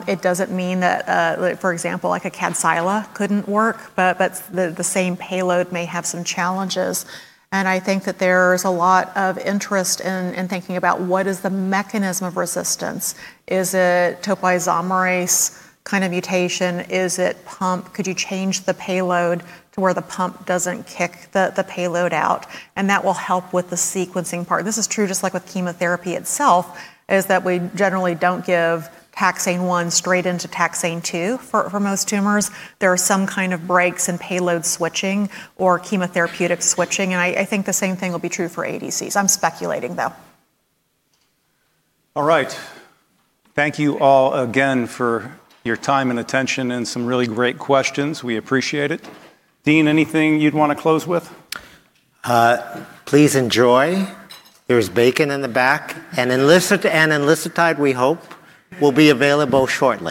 It doesn't mean that, for example, a KADCYLA couldn't work, but the same payload may have some challenges. I think that there's a lot of interest in thinking about what is the mechanism of resistance. Is it topoisomerase kind of mutation? Is it pump? Could you change the payload to where the pump doesn't kick the payload out? That will help with the sequencing part. This is true just like with chemotherapy itself, is that we generally don't give taxane one straight into taxane two for most tumors. There are some kind of breaks in payload switching or chemotherapeutic switching, and I think the same thing will be true for ADCs. I'm speculating, though. All right. Thank you all again for your time and attention and some really great questions. We appreciate it. Dean, anything you'd want to close with? Please enjoy. There's bacon in the back. Enlicitide, we hope, will be available shortly.